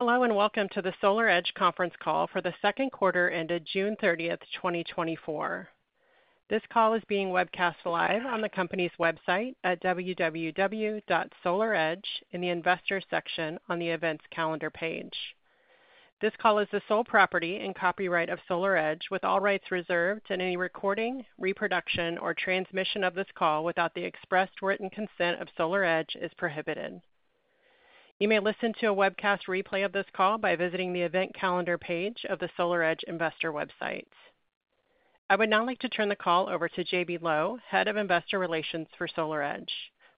Hello, and welcome to the SolarEdge conference call for the second quarter ended June 30, 2024. This call is being webcast live on the company's website at www.solaredge in the Investor section on the events calendar page. This call is the sole property and copyright of SolarEdge, with all rights reserved, and any recording, reproduction or transmission of this call without the expressed written consent of SolarEdge is prohibited. You may listen to a webcast replay of this call by visiting the event calendar page of the SolarEdge investor website. I would now like to turn the call over to J.B. Lowe, Head of Investor Relations for SolarEdge.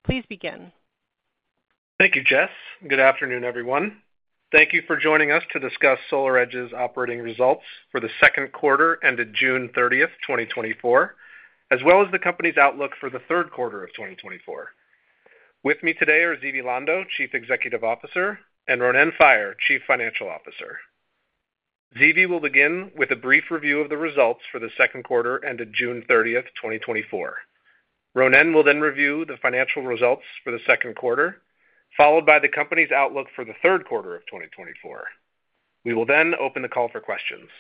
Please begin. Thank you, Jess. Good afternoon, everyone. Thank you for joining us to discuss SolarEdge's operating results for the second quarter ended June 30, 2024, as well as the company's outlook for the third quarter of 2024. With me today are Zvi Lando, Chief Executive Officer, and Ronen Faier, Chief Financial Officer. Zvi will begin with a brief review of the results for the second quarter ended June 30, 2024. Ronen will then review the financial results for the second quarter, followed by the company's outlook for the third quarter of 2024. We will then open the call for questions.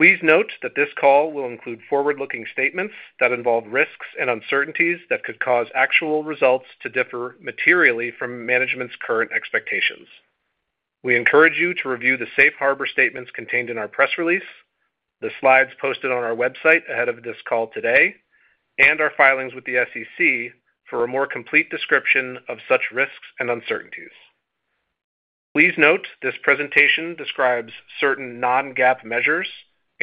Please note that this call will include forward-looking statements that involve risks and uncertainties that could cause actual results to differ materially from management's current expectations. We encourage you to review the safe harbor statements contained in our press release, the slides posted on our website ahead of this call today, and our filings with the SEC for a more complete description of such risks and uncertainties. Please note, this presentation describes certain non-GAAP measures,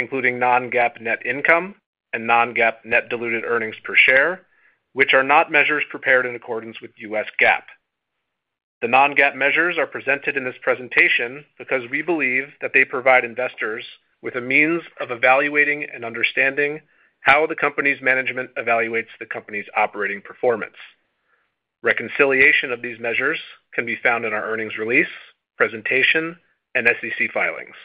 including non-GAAP net income and non-GAAP net diluted earnings per share, which are not measures prepared in accordance with U.S. GAAP. The non-GAAP measures are presented in this presentation because we believe that they provide investors with a means of evaluating and understanding how the company's management evaluates the company's operating performance. Reconciliation of these measures can be found in our earnings release, presentation, and SEC filings.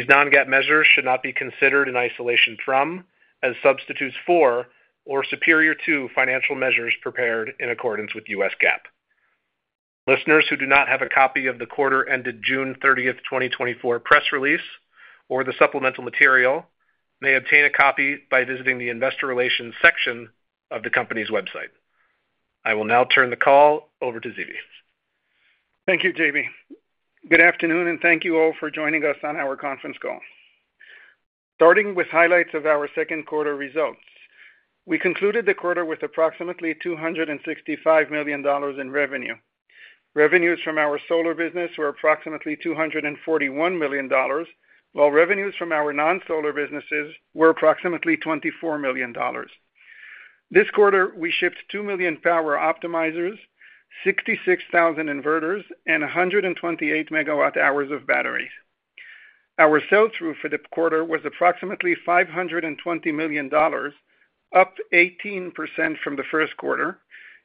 These non-GAAP measures should not be considered in isolation from, as substitutes for, or superior to financial measures prepared in accordance with U.S. GAAP. Listeners who do not have a copy of the quarter ended June 30, 2024, press release or the supplemental material may obtain a copy by visiting the Investor Relations section of the company's website. I will now turn the call over to Zvi. Thank you, J.B. Good afternoon, and thank you all for joining us on our conference call. Starting with highlights of our second quarter results. We concluded the quarter with approximately $265 million in revenue. Revenues from our solar business were approximately $241 million, while revenues from our non-solar businesses were approximately $24 million. This quarter, we shipped 2 million power optimizers, 66,000 inverters, and 128 megawatt-hours of batteries. Our sell-through for the quarter was approximately $520 million, up 18% from the first quarter,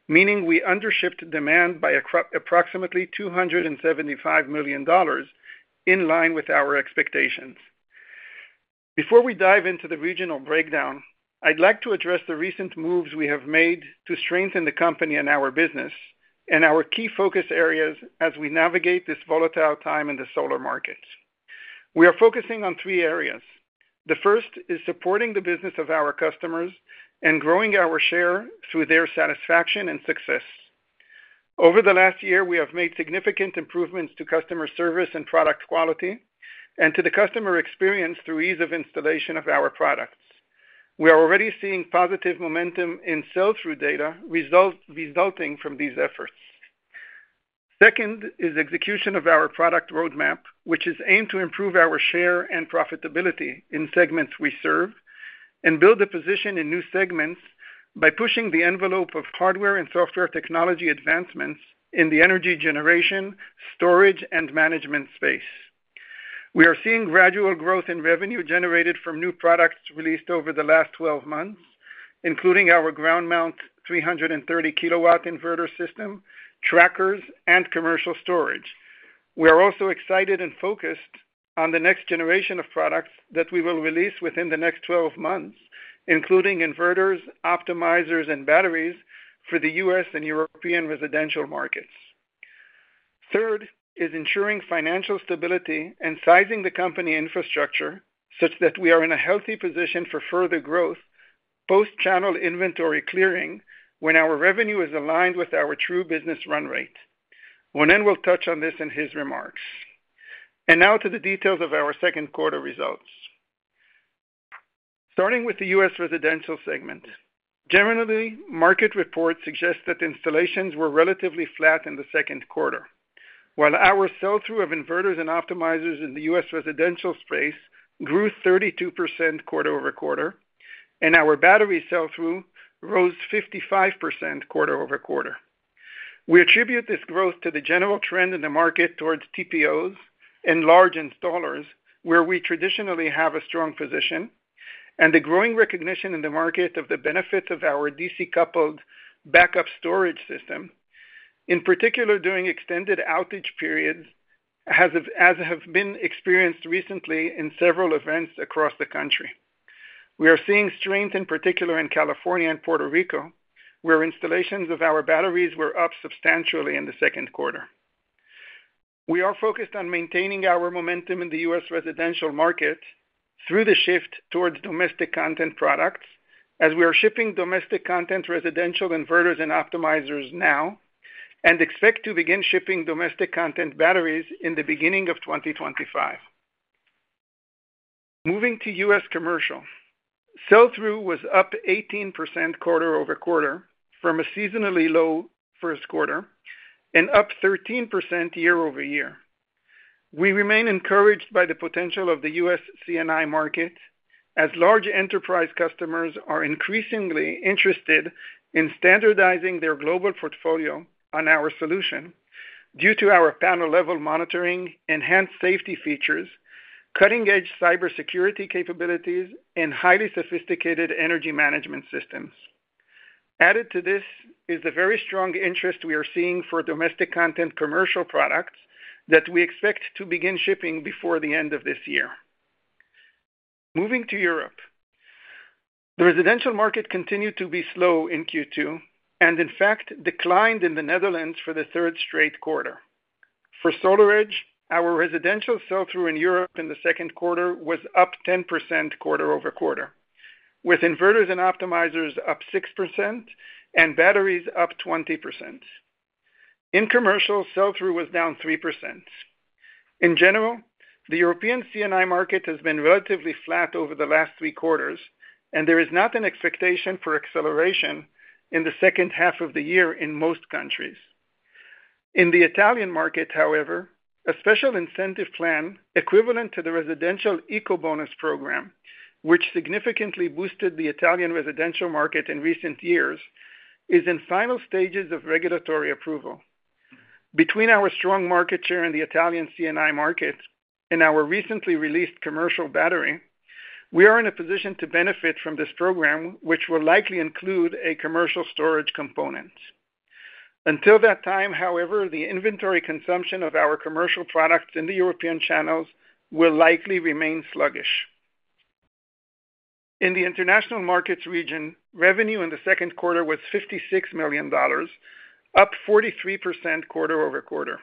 meaning we undershipped demand by approximately $275 million, in line with our expectations. Before we dive into the regional breakdown, I'd like to address the recent moves we have made to strengthen the company and our business and our key focus areas as we navigate this volatile time in the solar markets. We are focusing on three areas. The first is supporting the business of our customers and growing our share through their satisfaction and success. Over the last year, we have made significant improvements to customer service and product quality, and to the customer experience through ease of installation of our products. We are already seeing positive momentum in sell-through data, resulting from these efforts. Second is execution of our product roadmap, which is aimed to improve our share and profitability in segments we serve, and build a position in new segments by pushing the envelope of hardware and software technology advancements in the energy generation, storage, and management space. We are seeing gradual growth in revenue generated from new products released over the last 12 months, including our ground-mount 330-kilowatt inverter system, trackers, and commercial storage. We are also excited and focused on the next generation of products that we will release within the next 12 months, including inverters, optimizers, and batteries for the U.S. and European residential markets. Third, is ensuring financial stability and sizing the company infrastructure such that we are in a healthy position for further growth, post-channel inventory clearing, when our revenue is aligned with our true business run rate. Ronen will touch on this in his remarks. Now to the details of our second quarter results. Starting with the U.S. residential segment. Generally, market reports suggest that installations were relatively flat in the second quarter, while our sell-through of inverters and optimizers in the U.S. residential space grew 32% quarter-over-quarter, and our battery sell-through rose 55% quarter-over-quarter. We attribute this growth to the general trend in the market towards TPOs and large installers, where we traditionally have a strong position, and the growing recognition in the market of the benefits of our DC-coupled backup storage system, in particular, during extended outage periods, has, as have been experienced recently in several events across the country. We are seeing strength, in particular in California and Puerto Rico, where installations of our batteries were up substantially in the second quarter. We are focused on maintaining our momentum in the U.S. residential market through the shift towards domestic content products, as we are shipping domestic content residential inverters and optimizers now, and expect to begin shipping domestic content batteries in the beginning of 2025. Moving to U.S. commercial. Sell-through was up 18% quarter-over-quarter from a seasonally low first quarter and up 13% year-over-year. We remain encouraged by the potential of the U.S. C&I market, as large enterprise customers are increasingly interested in standardizing their global portfolio on our solution due to our panel-level monitoring, enhanced safety features, cutting-edge cybersecurity capabilities, and highly sophisticated energy management systems. Added to this is the very strong interest we are seeing for domestic content commercial products that we expect to begin shipping before the end of this year. Moving to Europe. The residential market continued to be slow in Q2, and in fact declined in the Netherlands for the third straight quarter. For SolarEdge, our residential sell-through in Europe in the second quarter was up 10% quarter over quarter, with inverters and optimizers up 6% and batteries up 20%. In commercial, sell-through was down 3%. In general, the European C&I market has been relatively flat over the last 3 quarters, and there is not an expectation for acceleration in the second half of the year in most countries. In the Italian market, however, a special incentive plan equivalent to the residential Ecobonus program, which significantly boosted the Italian residential market in recent years, is in final stages of regulatory approval. Between our strong market share in the Italian C&I market and our recently released commercial battery, we are in a position to benefit from this program, which will likely include a commercial storage component. Until that time, however, the inventory consumption of our commercial products in the European channels will likely remain sluggish. In the international markets region, revenue in the second quarter was $56 million, up 43% quarter-over-quarter.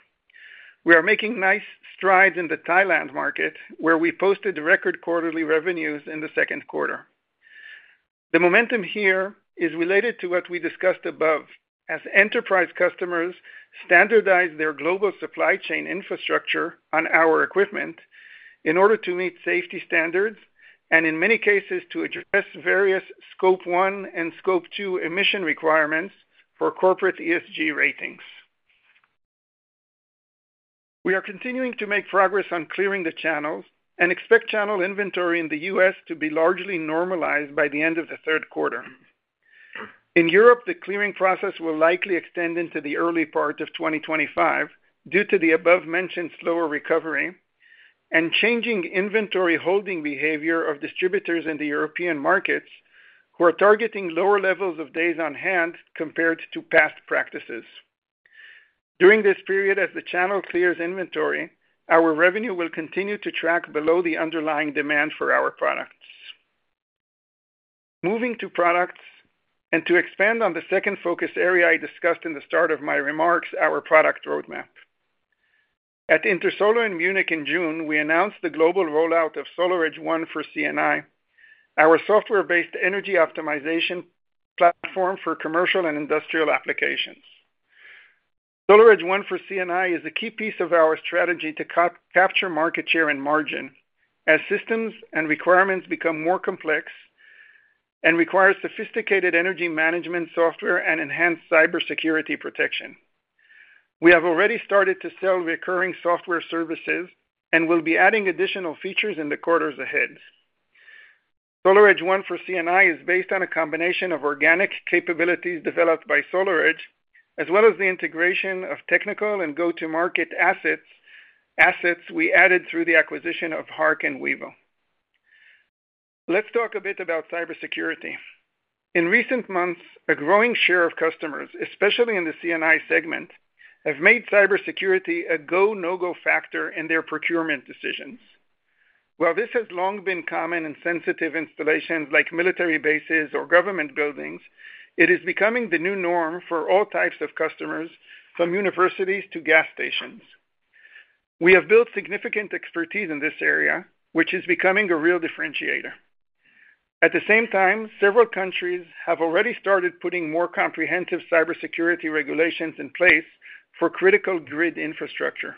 We are making nice strides in the Thailand market, where we posted record quarterly revenues in the second quarter. The momentum here is related to what we discussed above, as enterprise customers standardize their global supply chain infrastructure on our equipment in order to meet safety standards and, in many cases, to address various Scope 1 and Scope 2 emission requirements for corporate ESG ratings. We are continuing to make progress on clearing the channels and expect channel inventory in the U.S. to be largely normalized by the end of the third quarter. In Europe, the clearing process will likely extend into the early part of 2025 due to the above-mentioned slower recovery and changing inventory holding behavior of distributors in the European markets, who are targeting lower levels of days on hand compared to past practices. During this period, as the channel clears inventory, our revenue will continue to track below the underlying demand for our products. Moving to products, and to expand on the second focus area I discussed in the start of my remarks, our product roadmap. At Intersolar in Munich in June, we announced the global rollout of SolarEdge ONE for C&I, our software-based energy optimization platform for commercial and industrial applications. SolarEdge ONE for C&I is a key piece of our strategy to capture market share and margin as systems and requirements become more complex and require sophisticated energy management software and enhanced cybersecurity protection. We have already started to sell recurring software services and will be adding additional features in the quarters ahead. SolarEdge ONE for C&I is based on a combination of organic capabilities developed by SolarEdge, as well as the integration of technical and go-to-market assets, assets we added through the acquisition of Hark and Wevo. Let's talk a bit about cybersecurity. In recent months, a growing share of customers, especially in the C&I segment, have made cybersecurity a go, no-go factor in their procurement decisions. While this has long been common in sensitive installations like military bases or government buildings, it is becoming the new norm for all types of customers, from universities to gas stations. We have built significant expertise in this area, which is becoming a real differentiator. At the same time, several countries have already started putting more comprehensive cybersecurity regulations in place for critical grid infrastructure.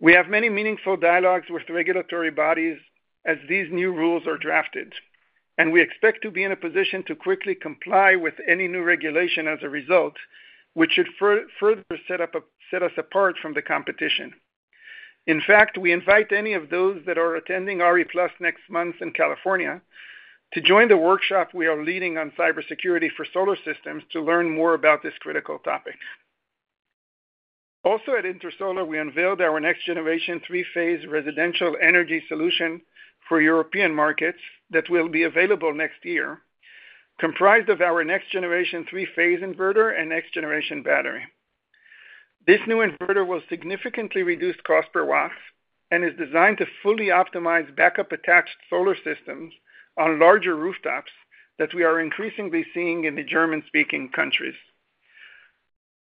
We have many meaningful dialogues with regulatory bodies as these new rules are drafted, and we expect to be in a position to quickly comply with any new regulation as a result, which should further set us apart from the competition. In fact, we invite any of those that are attending RE+ next month in California, to join the workshop we are leading on cybersecurity for solar systems to learn more about this critical topic. Also, at Intersolar, we unveiled our next-generation three-phase residential energy solution for European markets that will be available next year, comprised of our next-generation three-phase inverter and next-generation battery. This new inverter will significantly reduce cost per watt and is designed to fully optimize backup attached solar systems on larger rooftops that we are increasingly seeing in the German-speaking countries.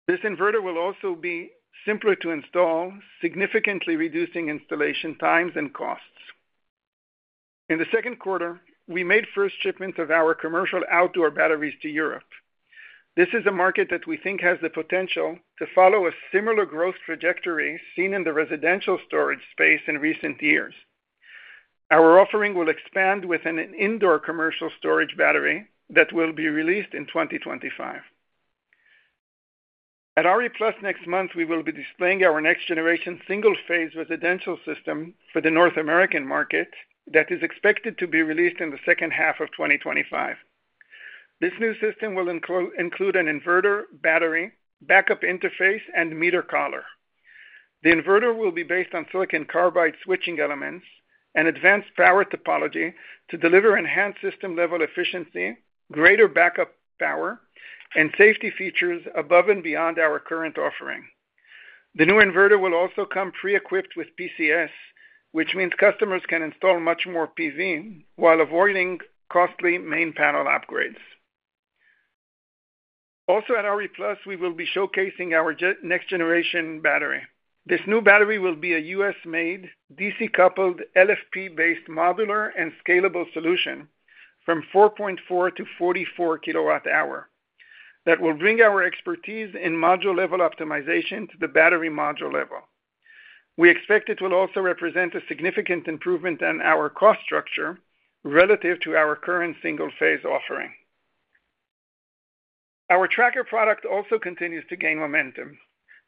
This inverter will also be simpler to install, significantly reducing installation times and costs. In the second quarter, we made first shipments of our commercial outdoor batteries to Europe. This is a market that we think has the potential to follow a similar growth trajectory seen in the residential storage space in recent years. Our offering will expand with an indoor commercial storage battery that will be released in 2025. At RE+ next month, we will be displaying our next generation single-phase residential system for the North American market that is expected to be released in the second half of 2025. This new system will include an inverter, battery, backup interface, and meter collar. The inverter will be based on silicon carbide switching elements and advanced power topology to deliver enhanced system-level efficiency, greater backup power, and safety features above and beyond our current offering. The new inverter will also come pre-equipped with PCS, which means customers can install much more PV while avoiding costly main panel upgrades. Also, at RE+, we will be showcasing our next generation battery. This new battery will be a US-made, DC-coupled, LFP-based, modular, and scalable solution from 4.4 kWh to 44 kWh, that will bring our expertise in module-level optimization to the battery module level. We expect it will also represent a significant improvement in our cost structure relative to our current single-phase offering. Our tracker product also continues to gain momentum.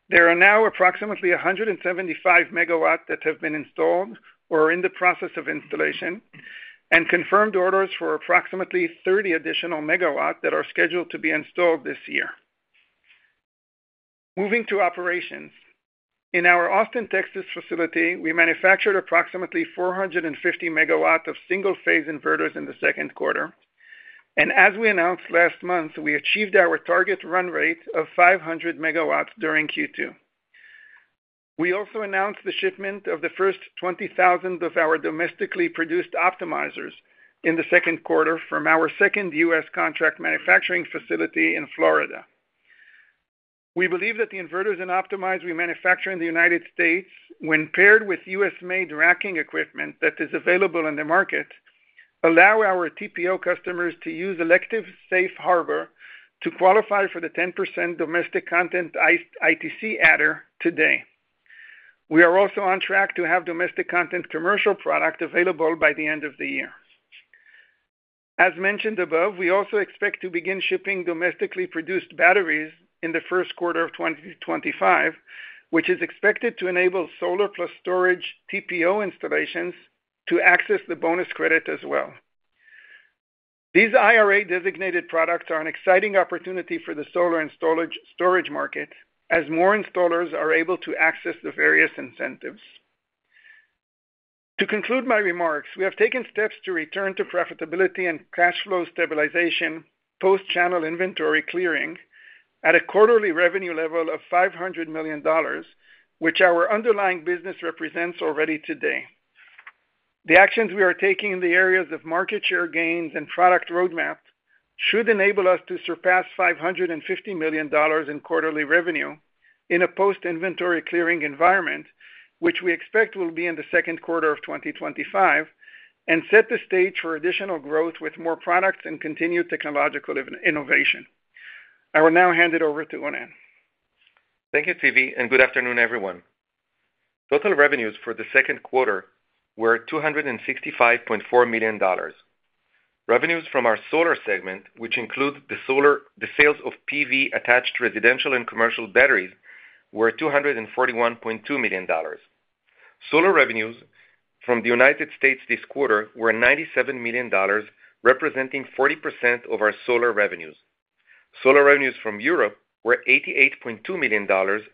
There are now approximately 175 megawatts that have been installed or are in the process of installation, and confirmed orders for approximately 30 additional megawatts that are scheduled to be installed this year. Moving to operations. In our Austin, Texas, facility, we manufactured approximately 450 megawatts of single-phase inverters in the second quarter, and as we announced last month, we achieved our target run rate of 500 megawatts during Q2. We also announced the shipment of the first 20,000 of our domestically produced optimizers in the second quarter from our second US contract manufacturing facility in Florida. We believe that the inverters and optimizer we manufacture in the United States, when paired with U.S.-made racking equipment that is available in the market, allow our TPO customers to use elective safe harbor to qualify for the 10% domestic content ITC adder today. We are also on track to have domestic content commercial product available by the end of the year. As mentioned above, we also expect to begin shipping domestically produced batteries in the first quarter of 2025, which is expected to enable solar-plus storage TPO installations to access the bonus credit as well. These IRA-designated products are an exciting opportunity for the solar and storage market, as more installers are able to access the various incentives. To conclude my remarks, we have taken steps to return to profitability and cash flow stabilization, post-channel inventory clearing at a quarterly revenue level of $500 million, which our underlying business represents already today. The actions we are taking in the areas of market share gains and product roadmap should enable us to surpass $550 million in quarterly revenue in a post-inventory clearing environment, which we expect will be in the second quarter of 2025, and set the stage for additional growth with more products and continued technological innovation. I will now hand it over to Ronen. Thank you, Zvi, and good afternoon, everyone. Total revenues for the second quarter were $265.4 million. Revenues from our solar segment, which include the solar-- the sales of PV attached residential and commercial batteries, were $241.2 million. Solar revenues from the United States this quarter were $97 million, representing 40% of our solar revenues. Solar revenues from Europe were $88.2 million,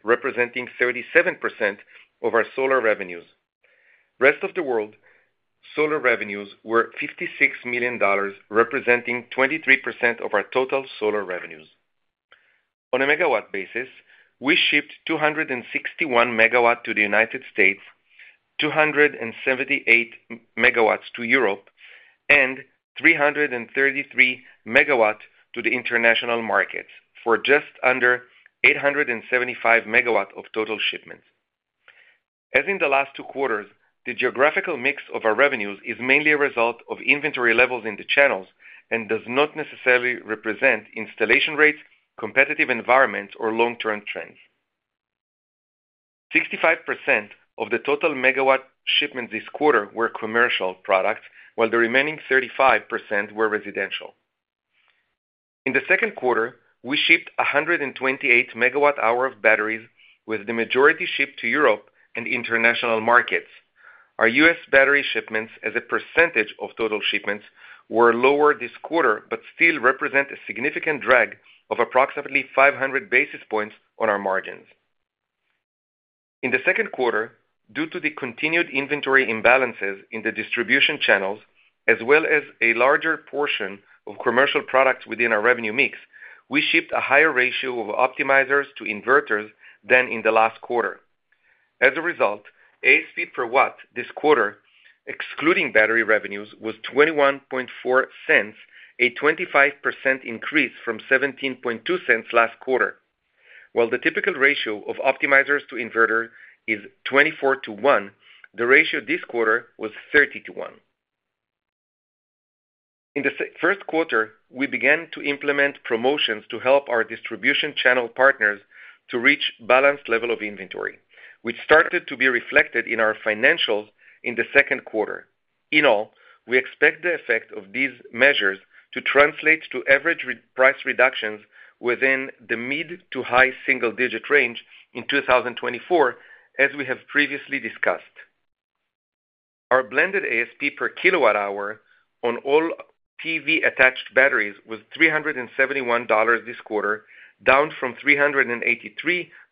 representing 37% of our solar revenues. Rest of the world, solar revenues were $56 million, representing 23% of our total solar revenues. On a megawatt basis, we shipped 261 megawatts to the United States, 278 megawatts to Europe, and 333 megawatts to the international markets, for just under 875 megawatts of total shipments. As in the last two quarters, the geographical mix of our revenues is mainly a result of inventory levels in the channels and does not necessarily represent installation rates, competitive environments, or long-term trends. 65% of the total megawatt shipments this quarter were commercial products, while the remaining 35% were residential. In the second quarter, we shipped 128 megawatt-hours of batteries, with the majority shipped to Europe and international markets. Our US battery shipments, as a percentage of total shipments, were lower this quarter, but still represent a significant drag of approximately 500 basis points on our margins. In the second quarter, due to the continued inventory imbalances in the distribution channels, as well as a larger portion of commercial products within our revenue mix, we shipped a higher ratio of optimizers to inverters than in the last quarter. As a result, ASP per watt this quarter, excluding battery revenues, was $0.214, a 25% increase from $0.172 last quarter. While the typical ratio of optimizers to inverter is 24:1, the ratio this quarter was 30:1. In the first quarter, we began to implement promotions to help our distribution channel partners to reach balanced level of inventory, which started to be reflected in our financials in the second quarter. In all, we expect the effect of these measures to translate to average price reductions within the mid- to high-single-digit range in 2024, as we have previously discussed. Our blended ASP per kWh on all PV attached batteries was $371 this quarter, down from $383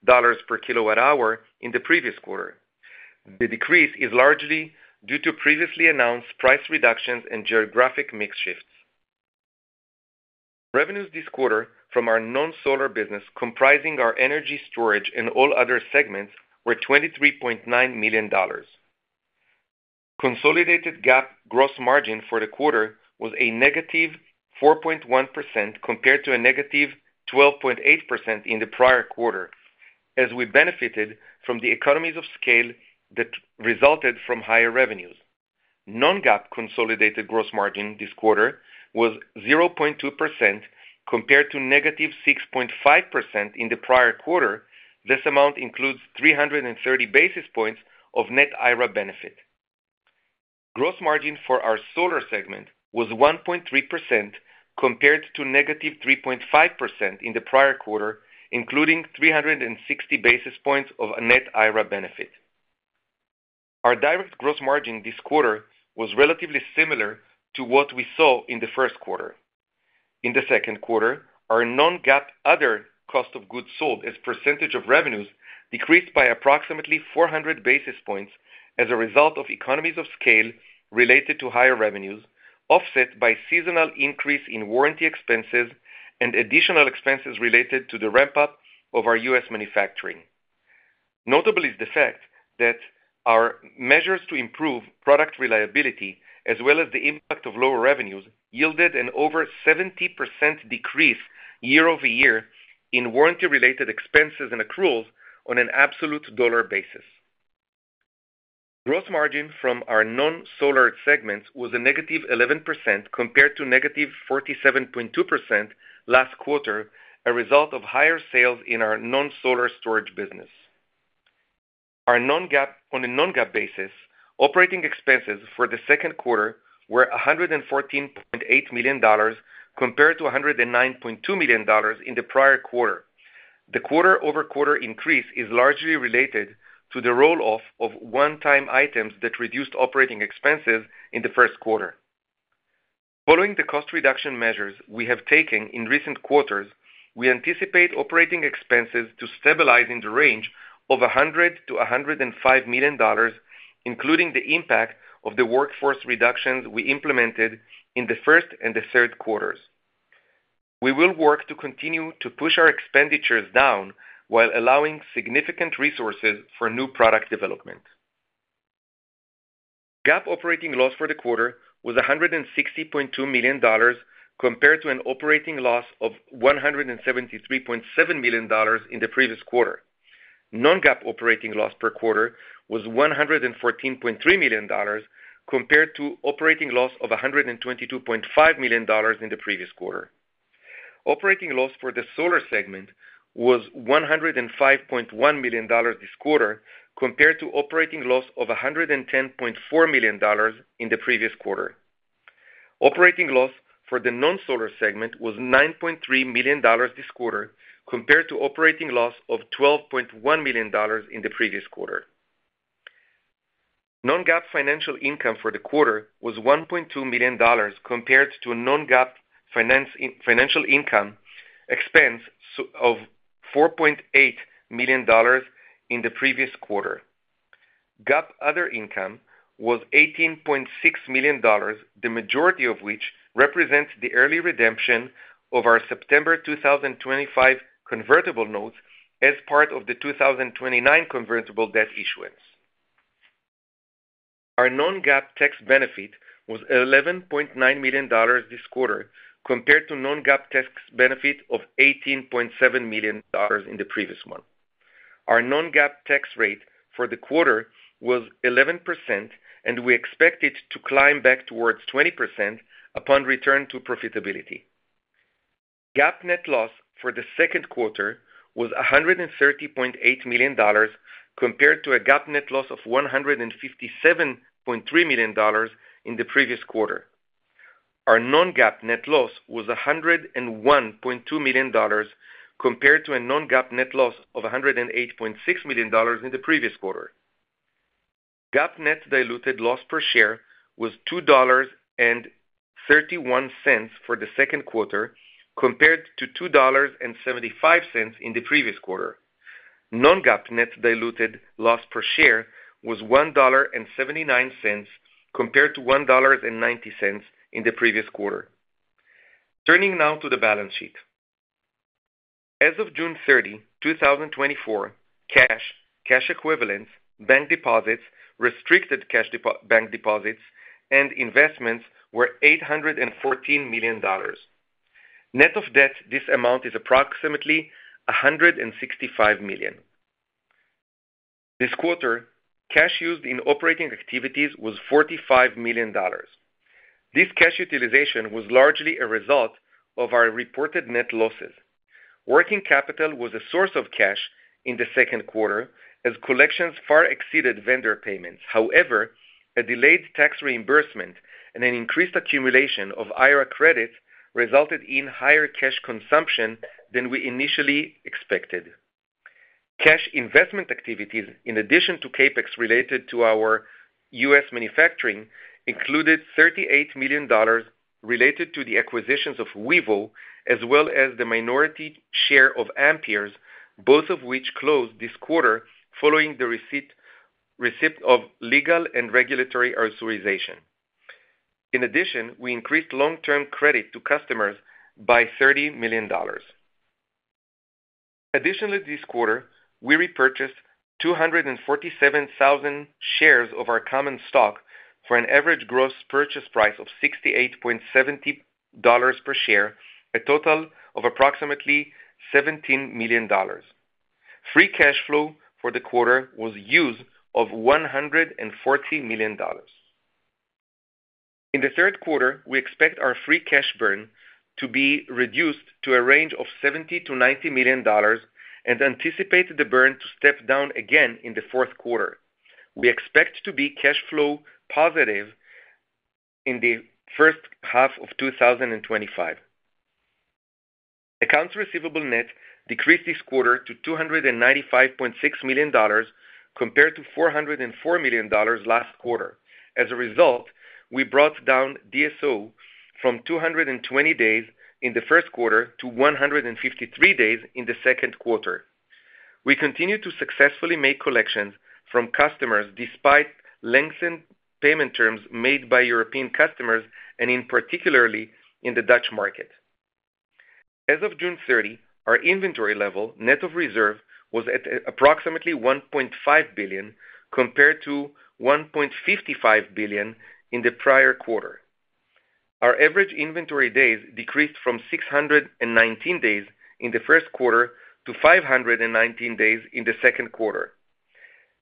per kWh in the previous quarter. The decrease is largely due to previously announced price reductions and geographic mix shifts. Revenues this quarter from our non-solar business, comprising our energy storage and all other segments, were $23.9 million. Consolidated GAAP gross margin for the quarter was -4.1%, compared to -12.8% in the prior quarter, as we benefited from the economies of scale that resulted from higher revenues. Non-GAAP consolidated gross margin this quarter was 0.2%, compared to -6.5% in the prior quarter. This amount includes 330 basis points of net IRA benefit. Gross margin for our solar segment was 1.3%, compared to -3.5% in the prior quarter, including 360 basis points of a net IRA benefit. Our direct gross margin this quarter was relatively similar to what we saw in the first quarter. In the second quarter, our non-GAAP other cost of goods sold as percentage of revenues decreased by approximately 400 basis points as a result of economies of scale related to higher revenues, offset by seasonal increase in warranty expenses and additional expenses related to the ramp-up of our U.S. manufacturing. Notable is the fact that our measures to improve product reliability, as well as the impact of lower revenues, yielded an over 70% decrease year-over-year in warranty-related expenses and accruals on an absolute dollar basis. Gross margin from our non-solar segments was a negative 11%, compared to negative 47.2% last quarter, a result of higher sales in our non-solar storage business. Our non-GAAP, on a non-GAAP basis, operating expenses for the second quarter were $114.8 million, compared to $109.2 million in the prior quarter. The quarter-over-quarter increase is largely related to the roll-off of one-time items that reduced operating expenses in the first quarter. Following the cost reduction measures we have taken in recent quarters, we anticipate operating expenses to stabilize in the range of $100 million-$105 million, including the impact of the workforce reductions we implemented in the first and the third quarters. We will work to continue to push our expenditures down while allowing significant resources for new product development. GAAP operating loss for the quarter was $160.2 million, compared to an operating loss of $173.7 million in the previous quarter. Non-GAAP operating loss per quarter was $114.3 million, compared to operating loss of $122.5 million in the previous quarter. Operating loss for the solar segment was $105.1 million this quarter, compared to operating loss of $110.4 million in the previous quarter. Operating loss for the non-solar segment was $9.3 million this quarter, compared to operating loss of $12.1 million in the previous quarter. Non-GAAP financial income for the quarter was $1.2 million, compared to a non-GAAP financial income expense of $4.8 million in the previous quarter. GAAP other income was $18.6 million, the majority of which represents the early redemption of our September 2025 convertible notes as part of the 2029 convertible debt issuance. Our non-GAAP tax benefit was $11.9 million this quarter, compared to non-GAAP tax benefit of $18.7 million in the previous one. Our non-GAAP tax rate for the quarter was 11%, and we expect it to climb back towards 20% upon return to profitability. GAAP net loss for the second quarter was $130.8 million, compared to a GAAP net loss of $157.3 million in the previous quarter. Our non-GAAP net loss was $101.2 million, compared to a non-GAAP net loss of $108.6 million in the previous quarter. GAAP net diluted loss per share was $2.31 for the second quarter, compared to $2.75 in the previous quarter. Non-GAAP net diluted loss per share was $1.79, compared to $1.90 in the previous quarter. Turning now to the balance sheet. As of June 30, 2024, cash, cash equivalents, bank deposits, restricted cash, bank deposits, and investments were $814 million. Net of debt, this amount is approximately $165 million. This quarter, cash used in operating activities was $45 million. This cash utilization was largely a result of our reported net losses. Working capital was a source of cash in the second quarter as collections far exceeded vendor payments. However, a delayed tax reimbursement and an increased accumulation of IRA credits resulted in higher cash consumption than we initially expected. Cash investment activities, in addition to CapEx related to our U.S. manufacturing, included $38 million related to the acquisitions of Wevo, as well as the minority share of Ampeers, both of which closed this quarter following the receipt of legal and regulatory authorization. In addition, we increased long-term credit to customers by $30 million. Additionally, this quarter, we repurchased 247,000 shares of our common stock for an average gross purchase price of $68.70 per share, a total of approximately $17 million. Free cash flow for the quarter was use of $140 million. In the third quarter, we expect our free cash burn to be reduced to a range of $70 million-$90 million and anticipate the burn to step down again in the fourth quarter. We expect to be cash flow positive in the first half of 2025. Accounts receivable net decreased this quarter to $295.6 million, compared to $404 million last quarter. As a result, we brought down DSO from 220 days in the first quarter to 153 days in the second quarter. We continue to successfully make collections from customers despite lengthened payment terms made by European customers, and, in particular, in the Dutch market. As of June 30, our inventory level, net of reserve, was at approximately $1.5 billion, compared to $1.55 billion in the prior quarter. Our average inventory days decreased from 619 days in the first quarter to 519 days in the second quarter.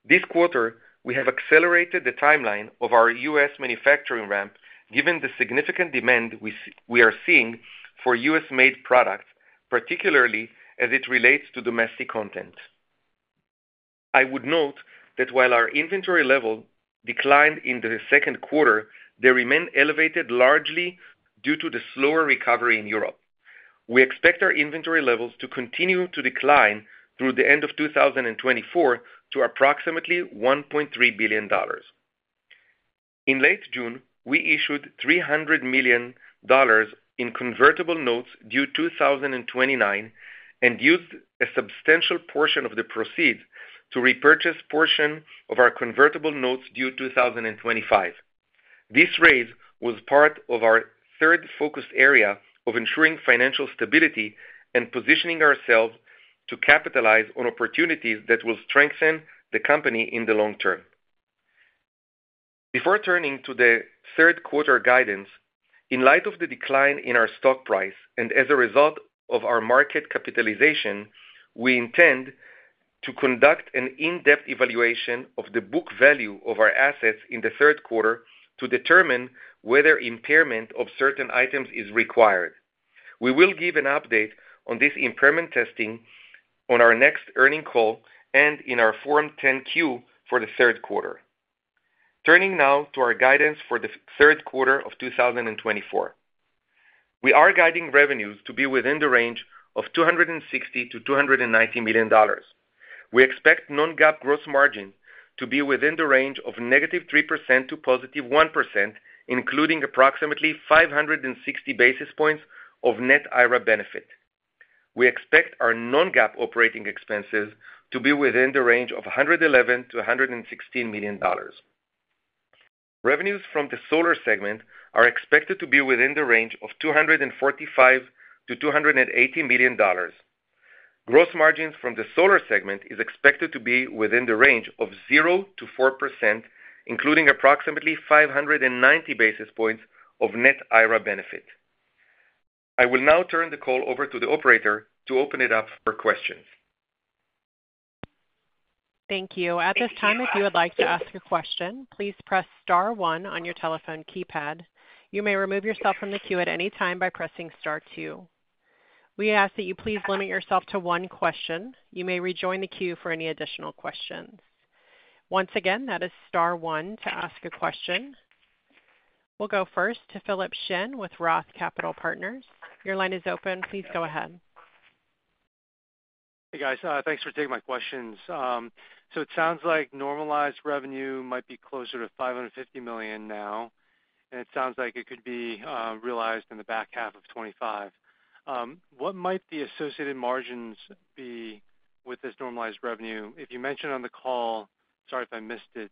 This quarter, we have accelerated the timeline of our U.S. manufacturing ramp, given the significant demand we are seeing for U.S.-made products, particularly as it relates to domestic content. I would note that while our inventory level declined in the second quarter, they remain elevated largely due to the slower recovery in Europe. We expect our inventory levels to continue to decline through the end of 2024 to approximately $1.3 billion. In late June, we issued $300 million in convertible notes due 2029 and used a substantial portion of the proceeds to repurchase portion of our convertible notes due 2025. This raise was part of our third focused area of ensuring financial stability and positioning ourselves to capitalize on opportunities that will strengthen the company in the long term. Before turning to the third quarter guidance, in light of the decline in our stock price and as a result of our market capitalization, we intend to conduct an in-depth evaluation of the book value of our assets in the third quarter to determine whether impairment of certain items is required. We will give an update on this impairment testing on our next earnings call and in our Form 10-Q for the third quarter. Turning now to our guidance for the third quarter of 2024. We are guiding revenues to be within the range of $260 million-$290 million. We expect non-GAAP gross margin to be within the range of -3% to +1%, including approximately 560 basis points of net IRA benefit. We expect our non-GAAP operating expenses to be within the range of $111 million-$116 million. Revenues from the solar segment are expected to be within the range of $245 million-$280 million. Gross margins from the solar segment is expected to be within the range of 0%-4%, including approximately 590 basis points of net IRA benefit. I will now turn the call over to the operator to open it up for questions. Thank you. At this time, if you would like to ask a question, please press star one on your telephone keypad. You may remove yourself from the queue at any time by pressing star two. We ask that you please limit yourself to one question. You may rejoin the queue for any additional questions. Once again, that is star one to ask a question. We'll go first to Philip Shen with Roth MKM. Your line is open. Please go ahead. Hey, guys. Thanks for taking my questions. So it sounds like normalized revenue might be closer to $550 million now, and it sounds like it could be realized in the back half of 2025. What might the associated margins be with this normalized revenue? If you mentioned on the call, sorry if I missed it,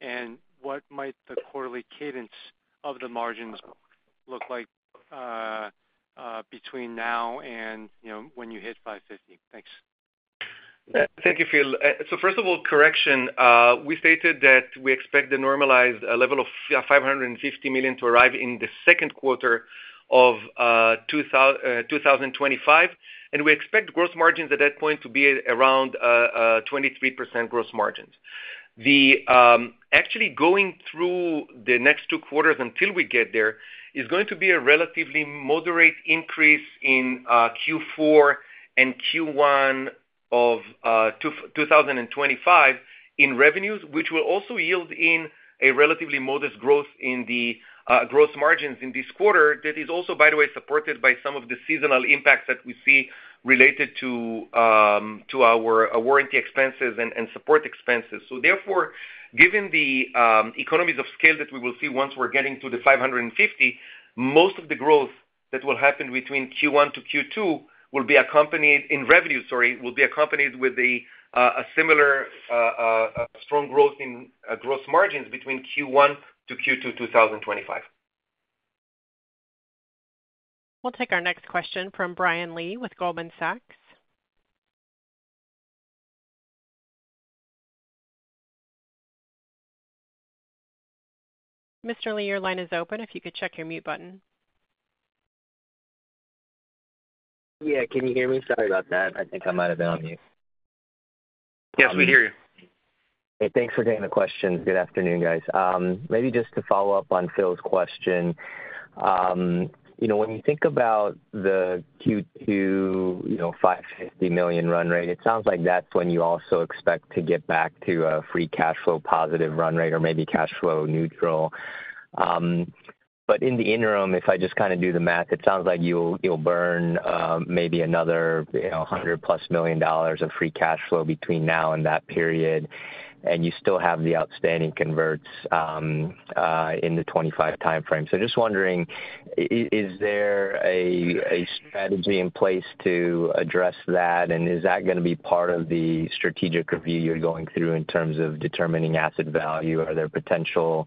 and what might the quarterly cadence of the margins look like between now and, you know, when you hit 550? Thanks. Thank you, Philip. So first of all, correction, we stated that we expect the normalized level of $550 million to arrive in the second quarter of 2025, and we expect gross margins at that point to be around 23% gross margins. Actually, going through the next two quarters until we get there, is going to be a relatively moderate increase in Q4 and Q1 of 2025 in revenues, which will also yield in a relatively modest growth in the gross margins in this quarter. That is also, by the way, supported by some of the seasonal impacts that we see related to our warranty expenses and support expenses. So therefore, given the economies of scale that we will see once we're getting to the 550, most of the growth that will happen between Q1 to Q2 will be accompanied in revenue, sorry, will be accompanied with the a similar strong growth in gross margins between Q1 to Q2, 2025. We'll take our next question from Brian Lee with Goldman Sachs. Mr. Lee, your line is open. If you could check your mute button. Yeah, can you hear me? Sorry about that. I think I might have been on mute. Yes, we hear you. Hey, thanks for taking the question. Good afternoon, guys. Maybe just to follow up on Phil's question. You know, when you think about the Q2, you know, $550 million run rate, it sounds like that's when you also expect to get back to a free cash flow positive run rate or maybe cash flow neutral. But in the interim, if I just kind of do the math, it sounds like you'll, you'll burn, maybe another, you know, $100+ million of free cash flow between now and that period, and you still have the outstanding converts in the 2025 timeframe. So just wondering, is there a strategy in place to address that? And is that gonna be part of the strategic review you're going through in terms of determining asset value? Are there potential,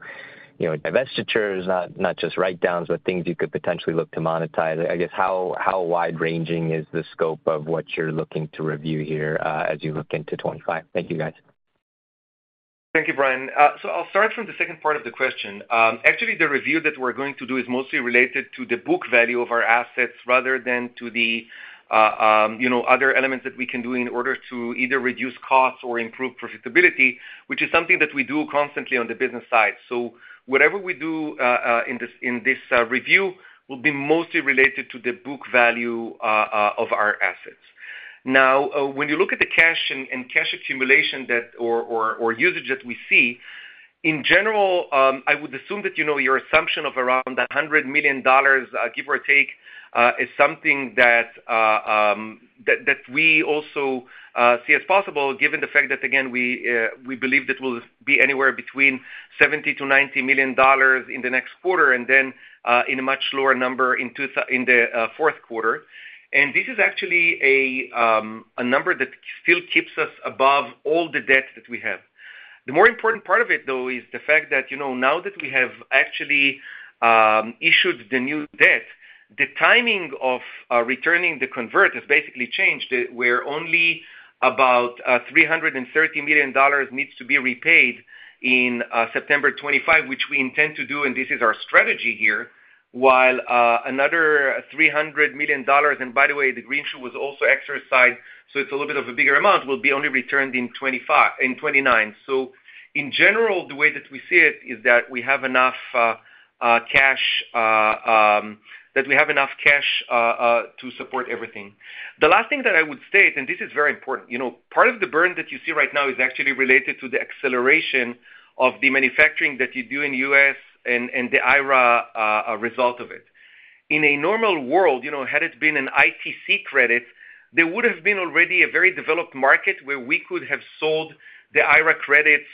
you know, divestitures, not, not just write-downs, but things you could potentially look to monetize? I guess, how, how wide-ranging is the scope of what you're looking to review here, as you look into 2025? Thank you, guys. Thank you, Brian. So I'll start from the second part of the question. Actually, the review that we're going to do is mostly related to the book value of our assets rather than to the, you know, other elements that we can do in order to either reduce costs or improve profitability, which is something that we do constantly on the business side. So whatever we do in this review will be mostly related to the book value of our assets. Now, when you look at the cash and cash accumulation or usage that we see, in general, I would assume that, you know, your assumption of around $100 million, give or take, is something that we also see as possible, given the fact that, again, we believe this will be anywhere between $70 million-$90 million in the next quarter, and then in a much lower number in the fourth quarter. And this is actually a number that still keeps us above all the debt that we have. The more important part of it, though, is the fact that, you know, now that we have actually issued the new debt, the timing of returning the convert has basically changed. Where only about $330 million needs to be repaid in September 2025, which we intend to do, and this is our strategy here. While another $300 million, and by the way, the greenshoe was also exercised, so it's a little bit of a bigger amount, will be only returned in 2029. So in general, the way that we see it is that we have enough cash that we have enough cash to support everything. The last thing that I would state, and this is very important, you know, part of the burn that you see right now is actually related to the acceleration of the manufacturing that you do in the U.S. and the IRA, a result of it. In a normal world, you know, had it been an ITC credit, there would have been already a very developed market where we could have sold the IRA credits,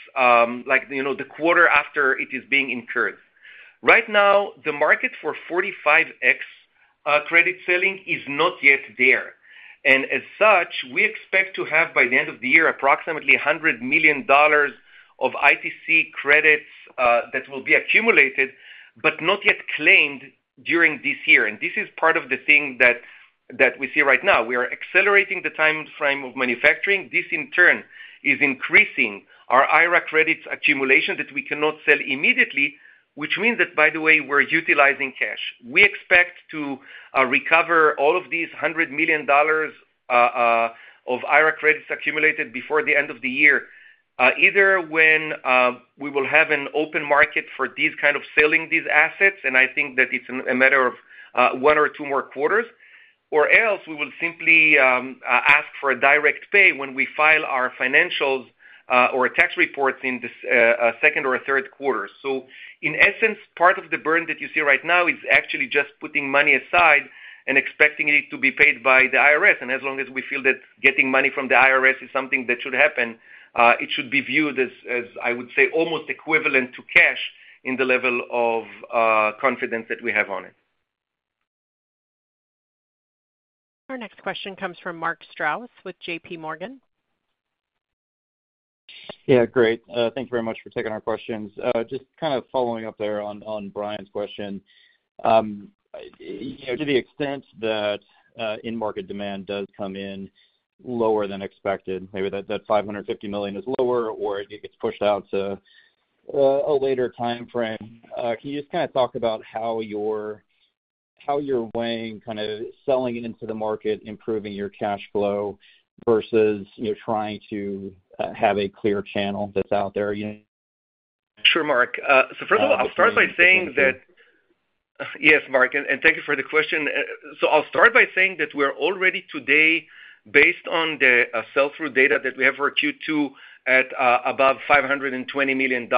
like, you know, the quarter after it is being incurred. Right now, the market for 45X credit selling is not yet there, and as such, we expect to have, by the end of the year, approximately $100 million of ITC credits that will be accumulated but not yet claimed during this year. And this is part of the thing that we see right now. We are accelerating the timeframe of manufacturing. This, in turn, is increasing our IRA credits accumulation that we cannot sell immediately, which means that, by the way, we're utilizing cash. We expect to recover all of these $100 million of IRA credits accumulated before the end of the year, either when we will have an open market for these kind of selling these assets, and I think that it's a matter of one or two more quarters, or else we will simply ask for a direct pay when we file our financials or tax reports in this second or third quarter. So in essence, part of the burn that you see right now is actually just putting money aside.and expecting it to be paid by the IRS. As long as we feel that getting money from the IRS is something that should happen, it should be viewed as, as I would say, almost equivalent to cash in the level of confidence that we have on it. Our next question comes from Mark Strouse, with J.P. Morgan. Yeah, great. Thank you very much for taking our questions. Just kind of following up there on, on Brian's question. You know, to the extent that in-market demand does come in lower than expected, maybe that $550 million is lower or it gets pushed out to a later timeframe, can you just kind of talk about how you're, how you're weighing kind of selling into the market, improving your cash flow versus, you know, trying to have a clear channel that's out there, you know? Sure, Mark. So first of all, I'll start by saying that. Yes, Mark, and thank you for the question. So I'll start by saying that we're already today, based on the sell-through data that we have for Q2 at above $520 million.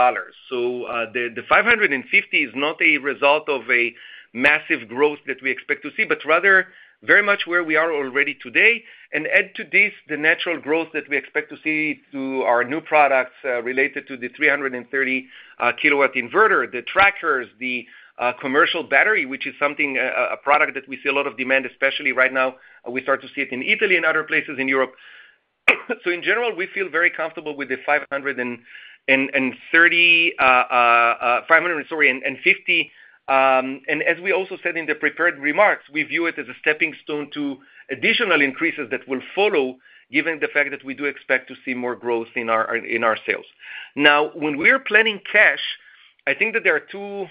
So the $550 is not a result of a massive growth that we expect to see, but rather very much where we are already today. And add to this, the natural growth that we expect to see through our new products related to the 330-kilowatt inverter, the trackers, the commercial battery, which is something, a product that we see a lot of demand, especially right now. We start to see it in Italy and other places in Europe. So in general, we feel very comfortable with the $550. And as we also said in the prepared remarks, we view it as a stepping stone to additional increases that will follow, given the fact that we do expect to see more growth in our sales. Now, when we're planning cash, I think that there are 2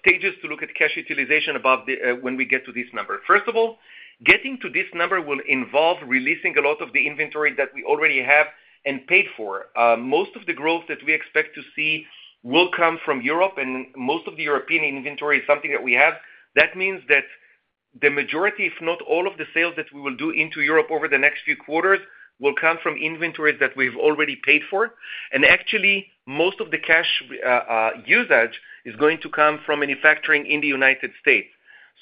stages to look at cash utilization above the, when we get to this number. First of all, getting to this number will involve releasing a lot of the inventory that we already have and paid for. Most of the growth that we expect to see will come from Europe, and most of the European inventory is something that we have. That means that the majority, if not all, of the sales that we will do into Europe over the next few quarters, will come from inventories that we've already paid for. And actually, most of the cash usage is going to come from manufacturing in the United States.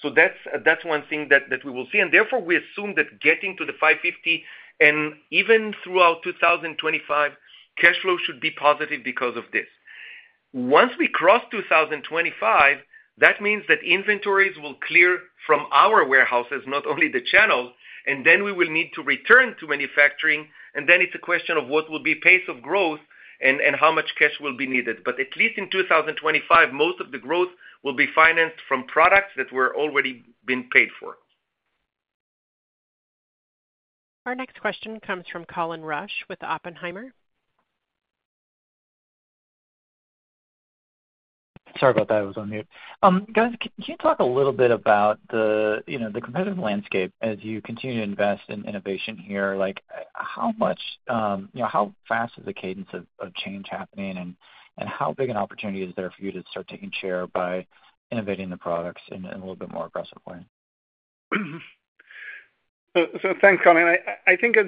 So that's one thing that we will see. And therefore, we assume that getting to the $550 and even throughout 2025, cash flow should be positive because of this. Once we cross 2025, that means that inventories will clear from our warehouses, not only the channels, and then we will need to return to manufacturing, and then it's a question of what will be pace of growth and how much cash will be needed. But at least in 2025, most of the growth will be financed from products that were already been paid for. Our next question comes from Colin Rusch, with Oppenheimer. Sorry about that, I was on mute. Guys, can you talk a little bit about the, you know, the competitive landscape as you continue to invest in innovation here? Like, you know, how fast is the cadence of change happening, and how big an opportunity is there for you to start taking share by innovating the products in a little bit more aggressive way? So thanks, Colin. I think as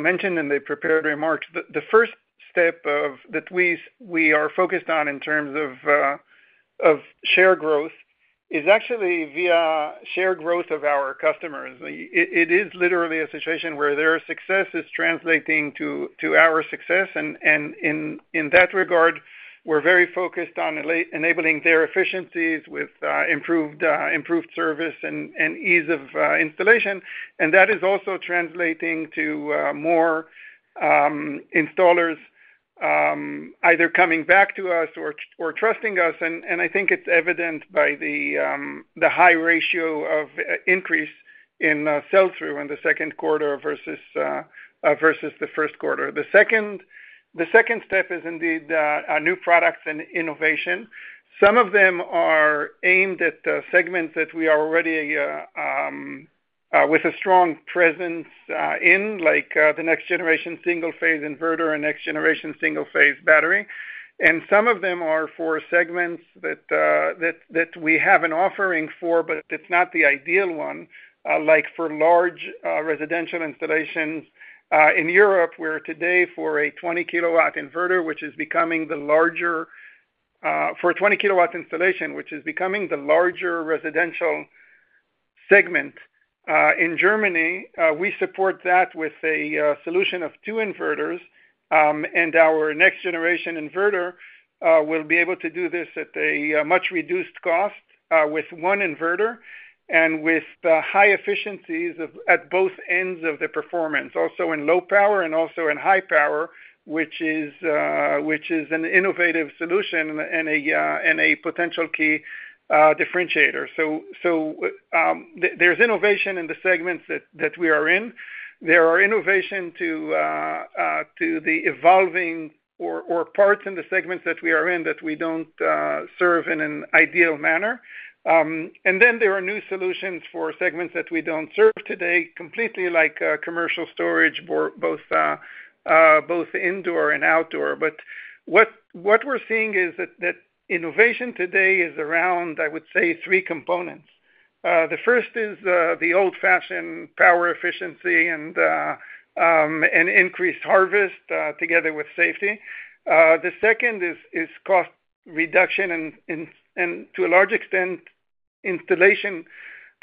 mentioned in the prepared remarks, the first step that we are focused on in terms of share growth is actually via share growth of our customers. It is literally a situation where their success is translating to our success, and in that regard, we're very focused on enabling their efficiencies with improved service and ease of installation. And that is also translating to more installers either coming back to us or trusting us. And I think it's evident by the high ratio of increase in sell-through in the second quarter versus the first quarter. The second step is indeed new products and innovation. Some of them are aimed at segments that we are already with a strong presence in, like the next generation single-phase inverter and next generation single-phase battery. And some of them are for segments that we have an offering for, but it's not the ideal one, like for large residential installations in Europe, where today, for a 20-kilowatt inverter, which is becoming the larger... For a 20-kilowatt installation, which is becoming the larger residential segment in Germany, we support that with a solution of two inverters. And our next generation inverter will be able to do this at a much reduced cost, with one inverter and with the high efficiencies at both ends of the performance, also in low power and also in high power, which is an innovative solution and a potential key differentiator. So, there's innovation in the segments that we are in. There are innovation to the evolving or parts in the segments that we are in, that we don't serve in an ideal manner. And then there are new solutions for segments that we don't serve today, completely like Commercial Storage, both indoor and outdoor. But what we're seeing is that innovation today is around, I would say, three components. The first is the old-fashioned power efficiency and increased harvest together with safety. The second is cost reduction and to a large extent-... installation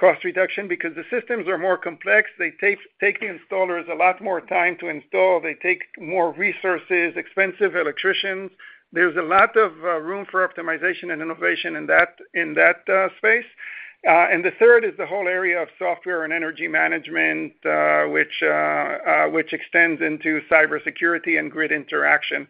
cost reduction because the systems are more complex. They take the installers a lot more time to install. They take more resources, expensive electricians. There's a lot of room for optimization and innovation in that space. And the third is the whole area of software and energy management, which extends into cybersecurity and grid interaction.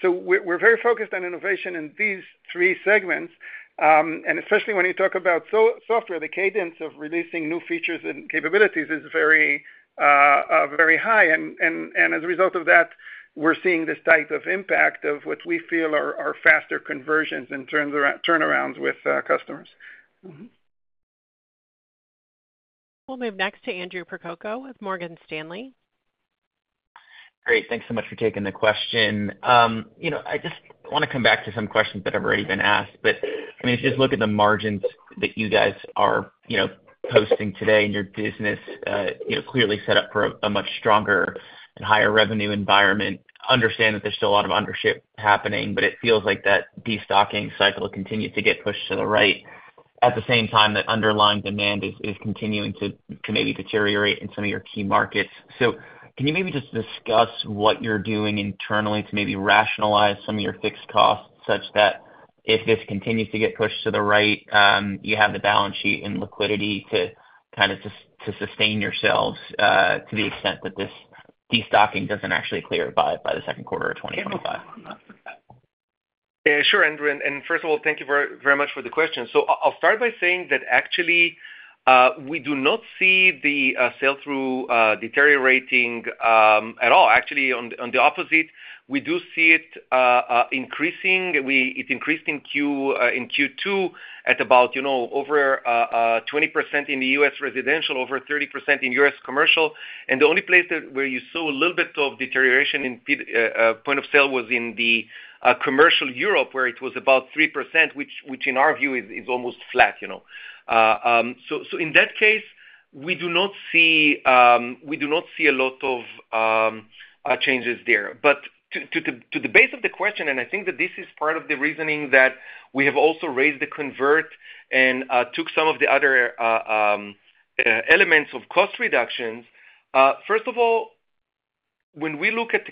So we're very focused on innovation in these three segments. And especially when you talk about software, the cadence of releasing new features and capabilities is very high. And as a result of that, we're seeing this type of impact of which we feel are faster conversions in terms around turnarounds with customers. Mm-hmm. We'll move next to Andrew Percoco with Morgan Stanley. Great. Thanks so much for taking the question. You know, I just wanna come back to some questions that have already been asked, but, I mean, just look at the margins that you guys are, you know, posting today in your business. You know, clearly set up for a much stronger and higher revenue environment. Understand that there's still a lot of undershipment happening, but it feels like that destocking cycle will continue to get pushed to the right. At the same time, that underlying demand is continuing to maybe deteriorate in some of your key markets. So can you maybe just discuss what you're doing internally to maybe rationalize some of your fixed costs, such that if this continues to get pushed to the right, you have the balance sheet and liquidity to kind of to sustain yourselves, to the extent that this destocking doesn't actually clear by the second quarter of 2025? Sure, Andrew, and first of all, thank you very, very much for the question. So I'll start by saying that actually, we do not see the sell-through deteriorating at all. Actually, on the opposite, we do see it increasing. It increased in Q2 at about, you know, over 20% in the US residential, over 30% in US commercial. And the only place that where you saw a little bit of deterioration in point of sale was in the commercial Europe, where it was about 3%, which in our view is almost flat, you know. So in that case, we do not see a lot of changes there. But to the base of the question, and I think that this is part of the reasoning that we have also raised the convert and took some of the other elements of cost reductions. First of all, when we look at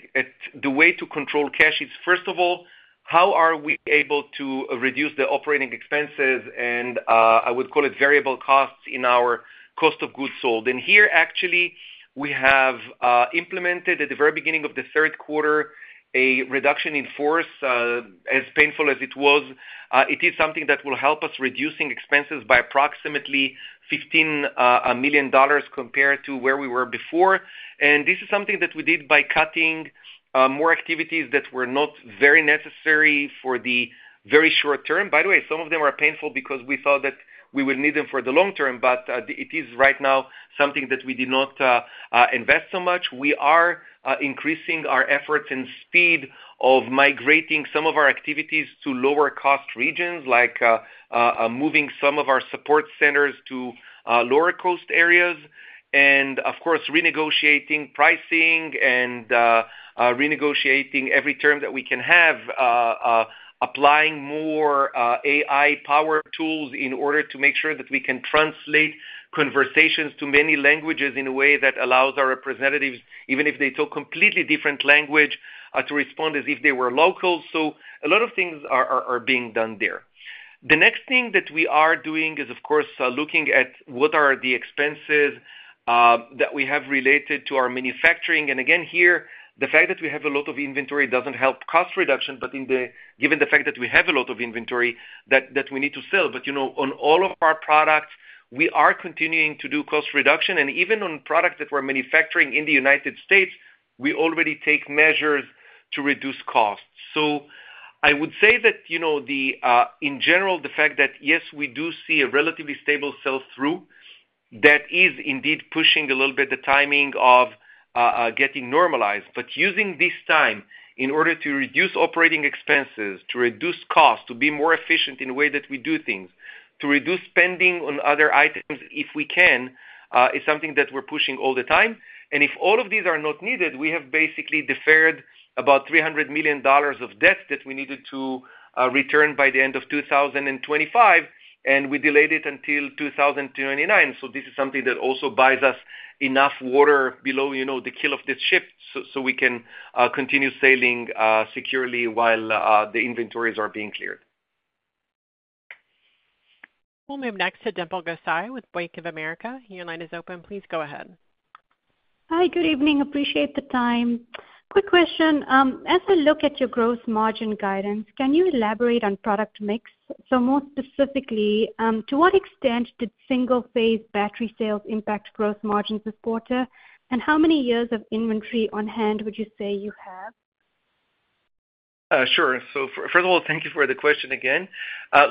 the way to control cash, it's first of all, how are we able to reduce the operating expenses and I would call it variable costs in our cost of goods sold? And here, actually, we have implemented at the very beginning of the third quarter, a reduction in force. As painful as it was, it is something that will help us reducing expenses by approximately $15 million compared to where we were before. This is something that we did by cutting more activities that were not very necessary for the very short term. By the way, some of them are painful because we thought that we would need them for the long term, but it is right now something that we did not invest so much. We are increasing our efforts and speed of migrating some of our activities to lower cost regions, like moving some of our support centers to lower cost areas, and of course, renegotiating pricing and renegotiating every term that we can have, applying more AI power tools in order to make sure that we can translate conversations to many languages in a way that allows our representatives, even if they talk completely different language, to respond as if they were local. So a lot of things are being done there. The next thing that we are doing is, of course, looking at what are the expenses that we have related to our manufacturing. And again, here, the fact that we have a lot of inventory doesn't help cost reduction, but given the fact that we have a lot of inventory that we need to sell. But, you know, on all of our products, we are continuing to do cost reduction, and even on products that we're manufacturing in the United States, we already take measures to reduce costs. So I would say that, you know, in general, the fact that, yes, we do see a relatively stable sell-through, that is indeed pushing a little bit the timing of getting normalized. But using this time in order to reduce operating expenses, to reduce costs, to be more efficient in the way that we do things, to reduce spending on other items, if we can, is something that we're pushing all the time. And if all of these are not needed, we have basically deferred about $300 million of debt that we needed to return by the end of 2025, and we delayed it until 2029. So this is something that also buys us enough water below, you know, the keel of the ship, so, so we can continue sailing securely while the inventories are being cleared. We'll move next to Dimple Gosai with Bank of America. Your line is open. Please go ahead. Hi, good evening. Appreciate the time. Quick question. As we look at your gross margin guidance, can you elaborate on product mix? So more specifically, to what extent did single-phase battery sales impact gross margins this quarter? And how many years of inventory on hand would you say you have? Sure. So first of all, thank you for the question again.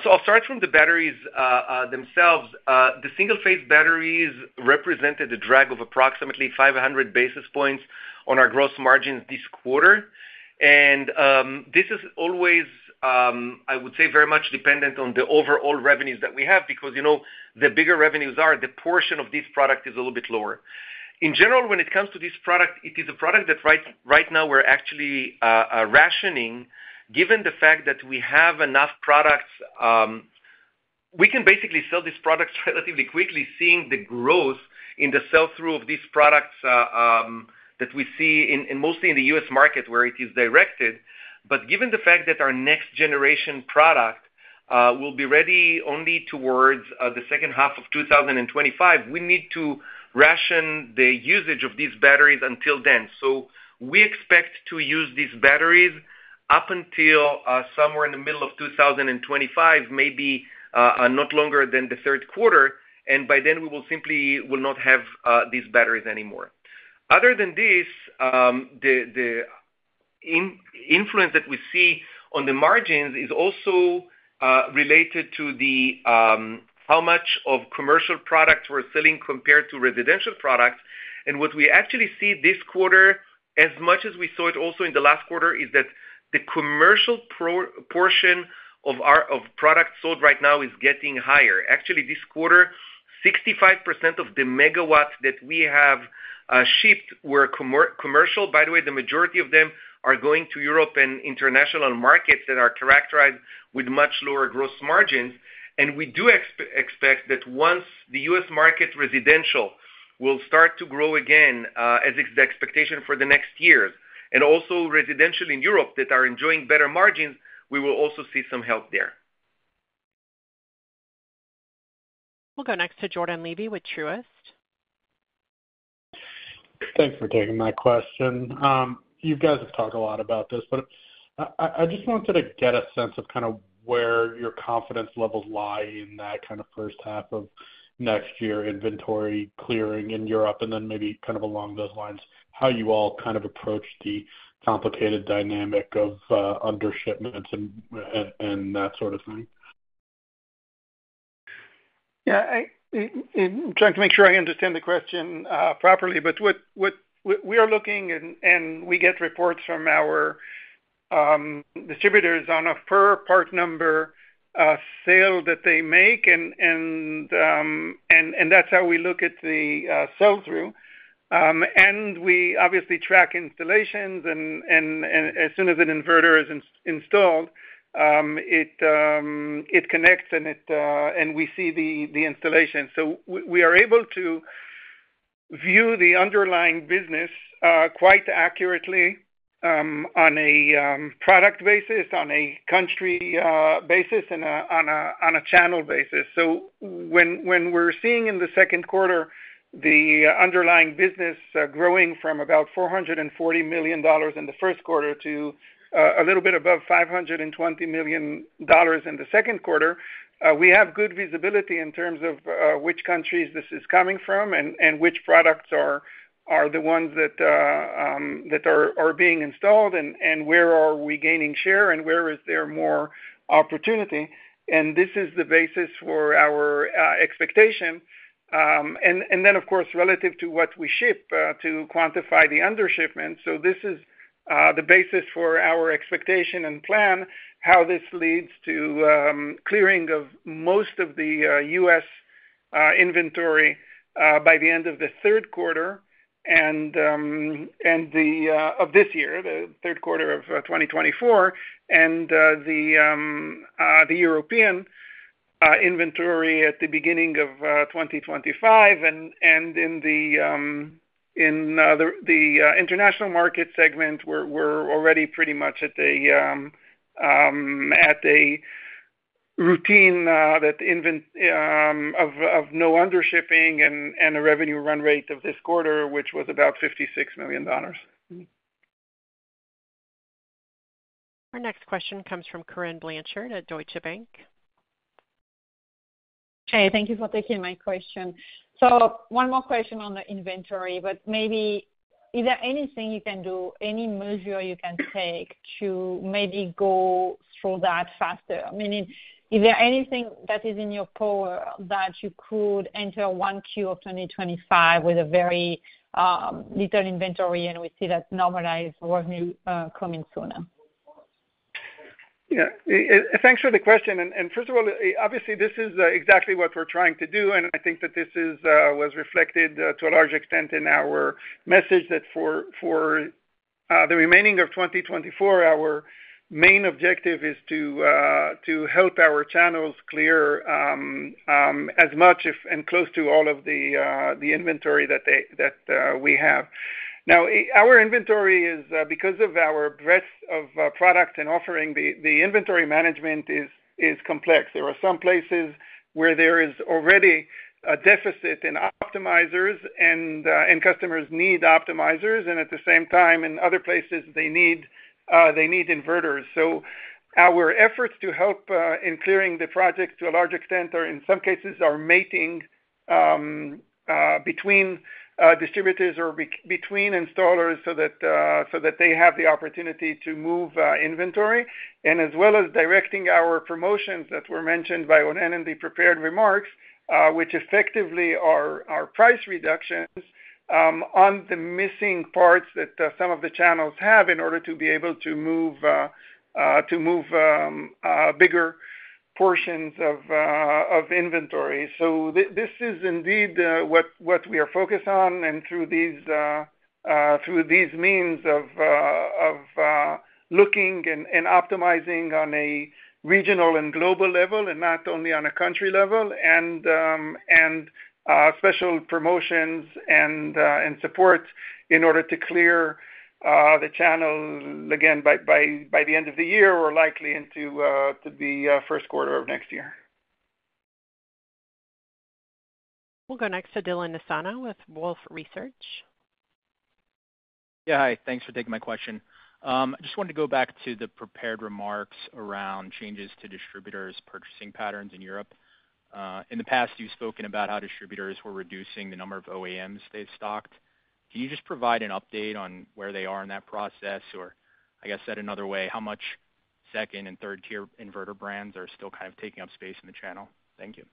So I'll start from the batteries themselves. The single-phase batteries represented a drag of approximately 500 basis points on our gross margins this quarter. And this is always, I would say, very much dependent on the overall revenues that we have, because, you know, the bigger revenues are, the portion of this product is a little bit lower. In general, when it comes to this product, it is a product that right now we're actually rationing, given the fact that we have enough products, we can basically sell these products relatively quickly, seeing the growth in the sell-through of these products that we see in mostly in the US market where it is directed. But given the fact that our next generation product will be ready only towards the second half of 2025, we need to ration the usage of these batteries until then. So we expect to use these batteries up until somewhere in the middle of 2025, maybe not longer than the third quarter, and by then we will simply not have these batteries anymore. Other than this, the influence that we see on the margins is also related to the how much of commercial products we're selling compared to residential products. And what we actually see this quarter, as much as we saw it also in the last quarter, is that the commercial proportion of our products sold right now is getting higher. Actually, this quarter, 65% of the megawatts that we have shipped were commercial. By the way, the majority of them are going to Europe and international markets that are characterized with much lower gross margins. And we do expect that once the US market residential will start to grow again, as is the expectation for the next years, and also residential in Europe that are enjoying better margins, we will also see some help there. We'll go next to Jordan Levy with Truist. Thanks for taking my question. You guys have talked a lot about this, but, I just wanted to get a sense of kind of where your confidence levels lie in that kind of first half of next year inventory clearing in Europe, and then maybe kind of along those lines, how you all kind of approach the complicated dynamic of, undershipments and that sort of thing? Yeah, I trying to make sure I understand the question properly, but what we are looking and we get reports from our distributors on a per part number sale that they make, and that's how we look at the sell-through. And we obviously track installations and as soon as an inverter is installed, it connects and we see the installation. So we are able to view the underlying business quite accurately on a product basis, on a country basis, and on a channel basis. So when we're seeing in the second quarter, the underlying business growing from about $440 million in the first quarter to a little bit above $520 million in the second quarter, we have good visibility in terms of which countries this is coming from and which products are the ones that are being installed, and where are we gaining share and where is there more opportunity. And this is the basis for our expectation. And then, of course, relative to what we ship, to quantify the undershipment. So this is the basis for our expectation and plan, how this leads to clearing of most of the US inventory by the end of the third quarter. And the end of this year, the third quarter of 2024, and the European inventory at the beginning of 2025, and in the international market segment, we're already pretty much at a routine of no undershipping and a revenue run rate of this quarter, which was about $56 million. Our next question comes from Corinne Blanchard at Deutsche Bank. Hey, thank you for taking my question. So one more question on the inventory, but maybe is there anything you can do, any measure you can take to maybe go through that faster? I mean, is there anything that is in your power that you could enter 1Q of 2025 with a very little inventory, and we see that normalized revenue coming sooner? Yeah, thanks for the question. And first of all, obviously, this is exactly what we're trying to do, and I think that this was reflected to a large extent in our message that for the remaining of 2024, our main objective is to help our channels clear as much if and close to all of the inventory that we have. Now, our inventory is because of our breadth of product and offering, the inventory management is complex. There are some places where there is already a deficit in optimizers and customers need optimizers, and at the same time, in other places, they need inverters. So our efforts to help in clearing the projects to a large extent are, in some cases, matching between distributors or between installers so that they have the opportunity to move inventory. And as well as directing our promotions that were mentioned by Ronen in the prepared remarks, which effectively are price reductions on the missing parts that some of the channels have in order to be able to move bigger portions of inventory. So this is indeed what we are focused on, and through these means of looking and optimizing on a regional and global level, and not only on a country level, and special promotions and support in order to clear the channel again, by the end of the year or likely into the first quarter of next year. We'll go next to Dylan Nassano with Wolfe Research. Yeah, hi. Thanks for taking my question. I just wanted to go back to the prepared remarks around changes to distributors' purchasing patterns in Europe. In the past, you've spoken about how distributors were reducing the number of OEMs they've stocked. Can you just provide an update on where they are in that process? Or I guess, said another way, how much second and third-tier inverter brands are still kind of taking up space in the channel? Thank you.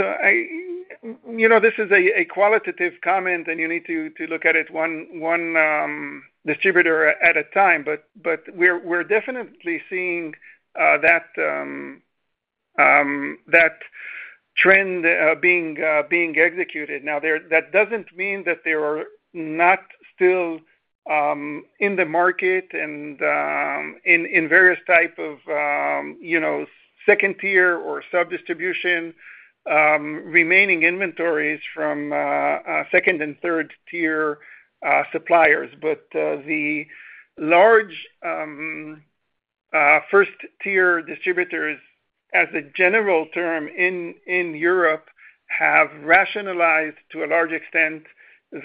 So I, you know, this is a qualitative comment, and you need to look at it one distributor at a time. But we're definitely seeing that trend being executed. Now, that doesn't mean that they are not still in the market and in various type of, you know, second-tier or sub-distribution remaining inventories from a second- and third-tier suppliers. But the large first-tier distributors, as a general term in Europe, have rationalized to a large extent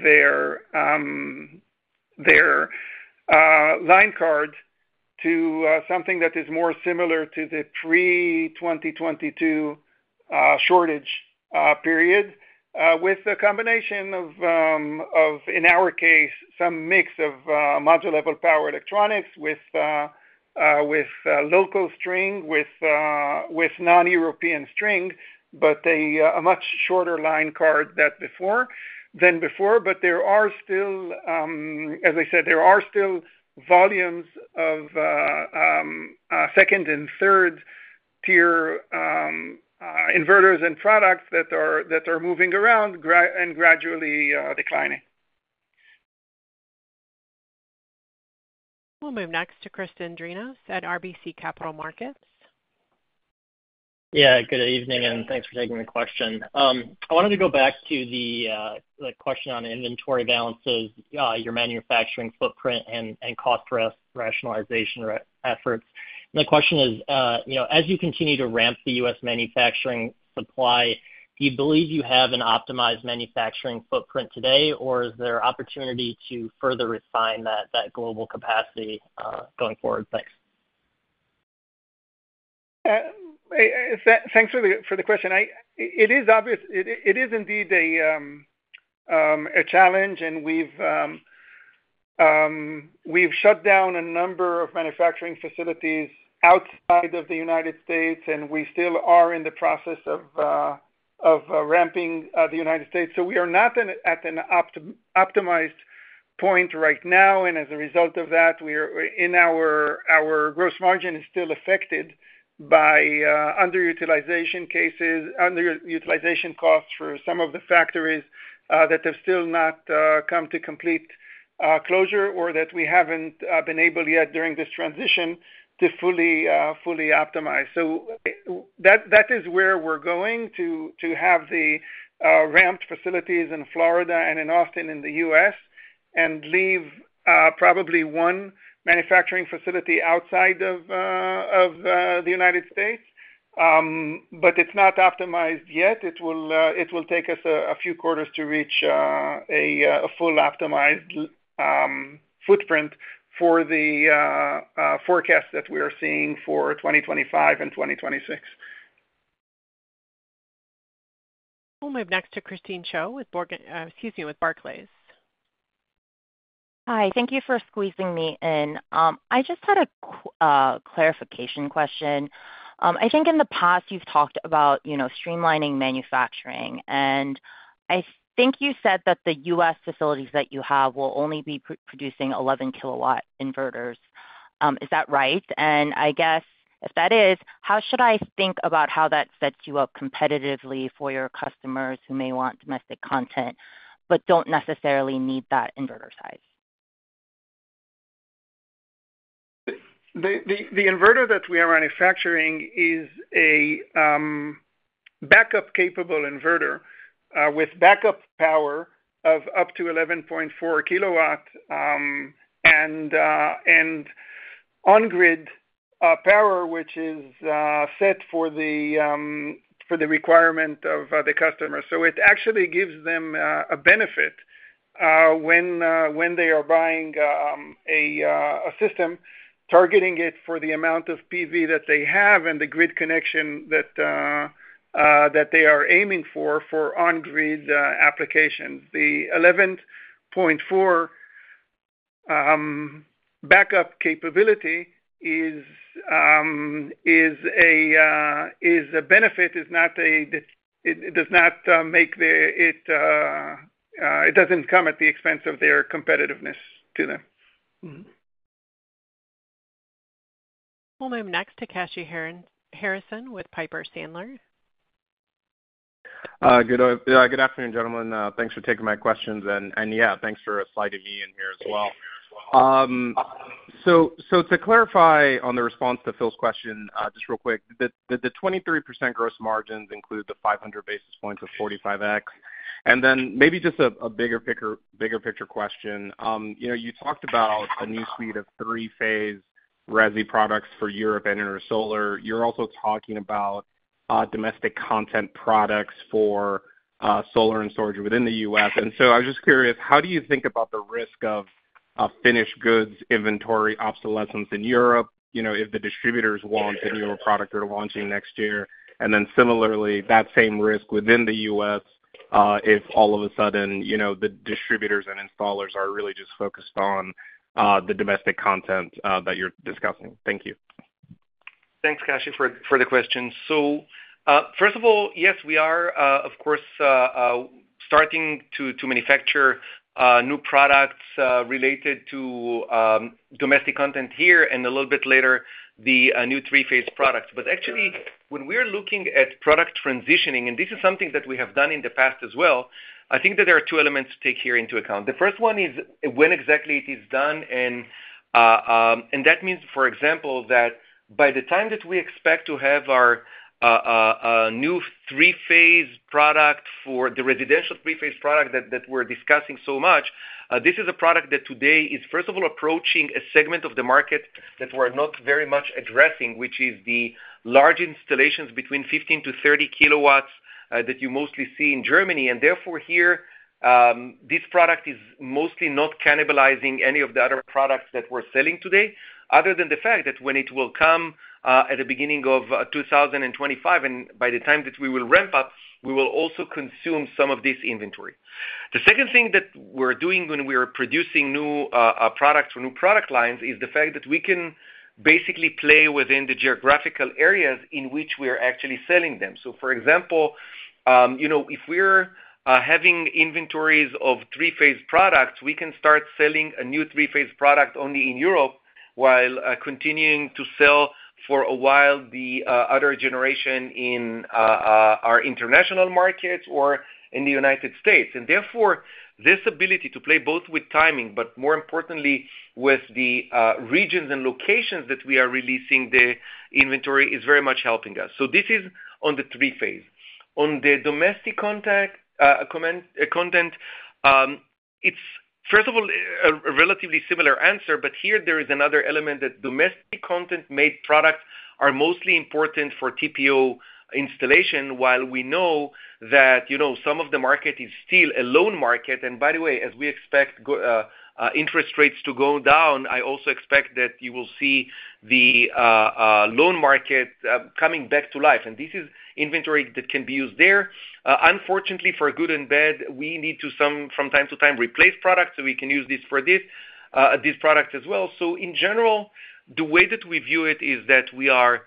their line card to something that is more similar to the pre-2022 shortage period. With the combination of, in our case, some mix of module-level power electronics with local string, with non-European string, but a much shorter line card than before. But there are still, as I said, there are still volumes of second and third-tier inverters and products that are moving around gradually and declining. We'll move next to Chris Dendrinos at RBC Capital Markets. Yeah, good evening, and thanks for taking the question. I wanted to go back to the question on inventory balances, your manufacturing footprint and cost rationalization efforts. The question is, you know, as you continue to ramp the U.S. manufacturing supply, do you believe you have an optimized manufacturing footprint today, or is there opportunity to further refine that global capacity going forward? Thanks. Thanks for the question. It is obvious, it is indeed a challenge, and we've shut down a number of manufacturing facilities outside of the United States, and we still are in the process of ramping the United States. So we are not at an optimized point right now, and as a result of that, our gross margin is still affected by underutilization cases, underutilization costs for some of the factories that have still not come to complete closure or that we haven't been able yet during this transition to fully optimize. So that is where we're going to have the ramped facilities in Florida and in Austin, in the US, and leave probably one manufacturing facility outside of the United States. But it's not optimized yet. It will take us a few quarters to reach a full optimized footprint for the forecast that we are seeing for 2025 and 2026. We'll move next to Christine Cho with Morgan, excuse me, with Barclays. Hi, thank you for squeezing me in. I just had a clarification question. I think in the past you've talked about, you know, streamlining manufacturing, and I think you said that the U.S. facilities that you have will only be producing 11 kW inverters. Is that right? And I guess, if that is, how should I think about how that sets you up competitively for your customers who may want domestic content but don't necessarily need that inverter size? The inverter that we are manufacturing is a backup-capable inverter with backup power of up to 11.4 kW and on-grid power, which is set for the requirement of the customer. So it actually gives them a benefit when they are buying a system, targeting it for the amount of PV that they have and the grid connection that they are aiming for, for on-grid applications. The 11.4 backup capability is a benefit. It does not come at the expense of their competitiveness to them. We'll move next to Kashy Harrison with Piper Sandler. Good afternoon, gentlemen. Thanks for taking my questions, and yeah, thanks for sliding me in here as well. To clarify on the response to Phil's question, just real quick, the 23% gross margins include the 500 basis points of 45X. And then maybe just a bigger picture question. You know, you talked about a new suite of three-phase resi products for Europe and Intersolar. You're also talking about domestic content products for solar and storage within the U.S. And so I was just curious, how do you think about the risk of finished goods inventory obsolescence in Europe? You know, if the distributors want a newer product you're launching next year. Then similarly, that same risk within the U.S., if all of a sudden, you know, the distributors and installers are really just focused on, the domestic content, that you're discussing. Thank you. Thanks, Kashy, for the question. So, first of all, yes, we are, of course, starting to manufacture new products related to domestic content here, and a little bit later, the new three-phase product. But actually, when we're looking at product transitioning, and this is something that we have done in the past as well, I think that there are two elements to take here into account. The first one is when exactly it is done, and that means, for example, that by the time that we expect to have our, a new three-phase product for the residential three-phase product that, that we're discussing so much, this is a product that today is, first of all, approaching a segment of the market that we're not very much addressing, which is the large installations between 15-30 kW, that you mostly see in Germany. And therefore, here, this product is mostly not cannibalizing any of the other products that we're selling today, other than the fact that when it will come, at the beginning of 2025, and by the time that we will ramp up, we will also consume some of this inventory. The second thing that we're doing when we are producing new products or new product lines, is the fact that we can basically play within the geographical areas in which we are actually selling them. So for example, you know, if we're having inventories of three-phase products, we can start selling a new three-phase product only in Europe, while continuing to sell for a while, the other generation in our international markets or in the United States. And therefore, this ability to play both with timing, but more importantly, with the regions and locations that we are releasing the inventory, is very much helping us. So this is on the three phase. On the domestic content, it's first of all a relatively similar answer, but here there is another element that domestic content made products are mostly important for TPO installation, while we know that, you know, some of the market is still a loan market. And by the way, as we expect interest rates to go down, I also expect that you will see the loan market coming back to life, and this is inventory that can be used there. Unfortunately, for good and bad, we need to from time to time replace products, so we can use this for this product as well. So in general, the way that we view it is that we are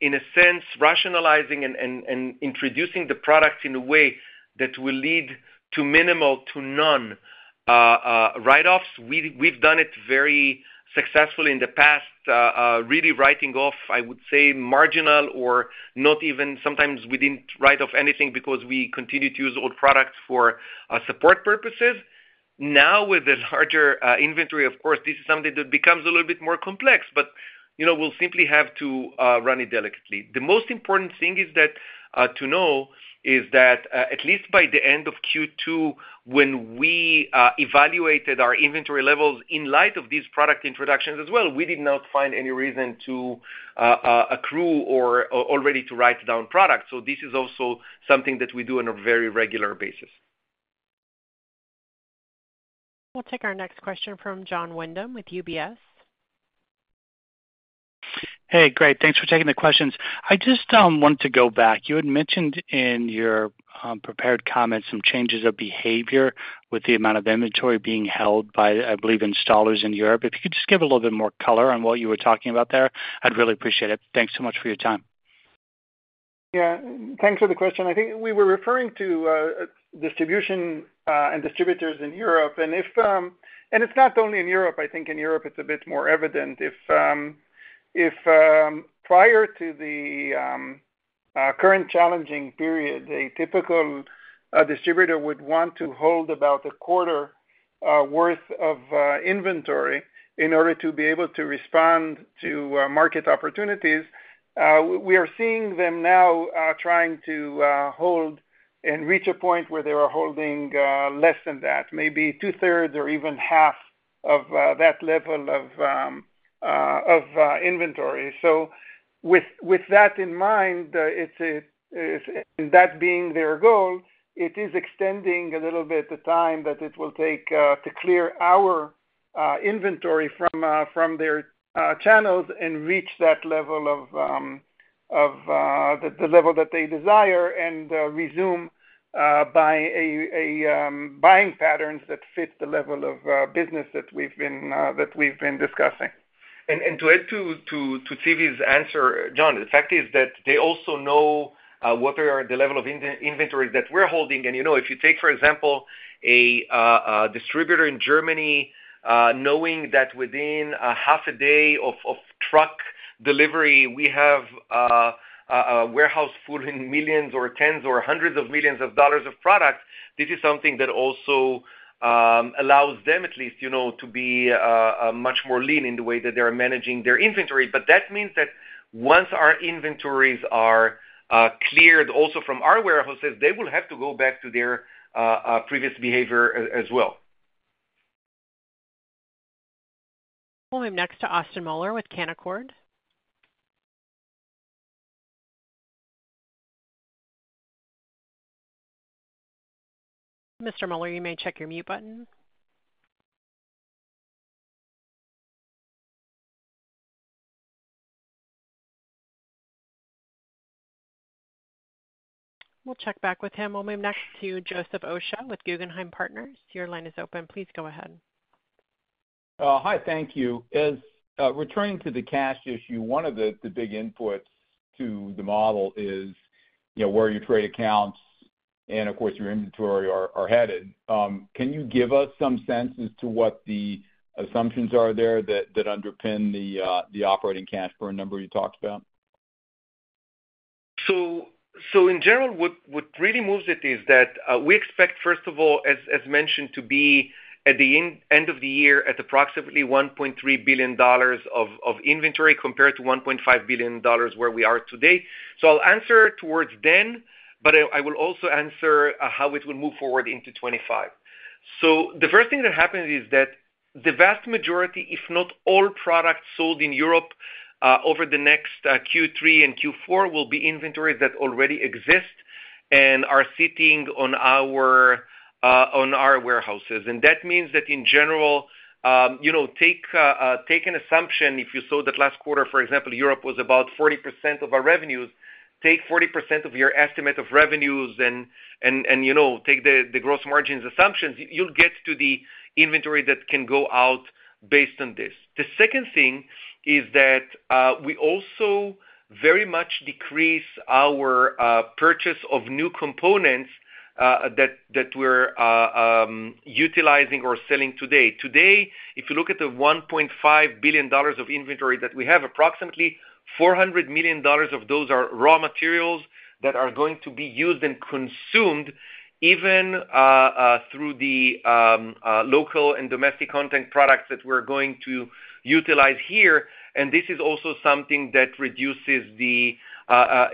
in a sense rationalizing and introducing the products in a way that will lead to minimal to none write-offs. We've done it very successfully in the past, really writing off, I would say, marginal or not even sometimes we didn't write off anything because we continued to use old products for support purposes. Now, with the larger inventory, of course, this is something that becomes a little bit more complex, but you know, we'll simply have to run it delicately. The most important thing is that, to know is that, at least by the end of Q2, when we evaluated our inventory levels in light of these product introductions as well, we did not find any reason to accrue or already to write down products. So this is also something that we do on a very regular basis. We'll take our next question from Jon Windham with UBS. Hey, great. Thanks for taking the questions. I just wanted to go back. You had mentioned in your prepared comments some changes of behavior with the amount of inventory being held by, I believe, installers in Europe. If you could just give a little bit more color on what you were talking about there, I'd really appreciate it. Thanks so much for your time. Yeah, thanks for the question. I think we were referring to distribution and distributors in Europe. And it's not only in Europe, I think in Europe it's a bit more evident. If prior to the current challenging period, a typical distributor would want to hold about a quarter worth of inventory in order to be able to respond to market opportunities. We are seeing them now trying to hold and reach a point where they are holding less than that, maybe two-thirds or even half of that level of inventory. So with that in mind, that being their goal, it is extending a little bit the time that it will take to clear our inventory from their channels and reach that level of the level that they desire and resume by a buying patterns that fit the level of business that we've been discussing. To add to Zvi's answer, John, the fact is that they also know what the level of inventories that we're holding. You know, if you take, for example, a distributor in Germany, knowing that within half a day of truck delivery, we have a warehouse full in millions or tens or hundreds of millions of dollars of product, this is something that also allows them at least, you know, to be much more lean in the way that they are managing their inventory. But that means that once our inventories are cleared also from our warehouses, they will have to go back to their previous behavior as well. We'll move next to Austin Moeller with Canaccord. Mr. Moeller, you may check your mute button. We'll check back with him. We'll move next to Joseph Osha with Guggenheim Partners. Your line is open. Please go ahead. Hi. Thank you. As returning to the cash issue, one of the big inputs to the model is, you know, where your trade accounts and, of course, your inventory are headed. Can you give us some sense as to what the assumptions are there that underpin the operating cash burn number you talked about? So, in general, what really moves it is that we expect, first of all, as mentioned, to be at the end of the year at approximately $1.3 billion of inventory, compared to $1.5 billion, where we are today. So I'll answer towards then, but I will also answer how it will move forward into 2025. So the first thing that happens is that the vast majority, if not all products sold in Europe over the next Q3 and Q4, will be inventories that already exist and are sitting on our warehouses. And that means that in general, you know, take an assumption, if you saw that last quarter, for example, Europe was about 40% of our revenues. Take 40% of your estimate of revenues and, you know, take the gross margins assumptions, you'll get to the inventory that can go out based on this. The second thing is that we also very much decrease our purchase of new components that we're utilizing or selling today. Today, if you look at the $1.5 billion of inventory that we have, approximately $400 million of those are raw materials that are going to be used and consumed even through the local and domestic content products that we're going to utilize here, and this is also something that reduces the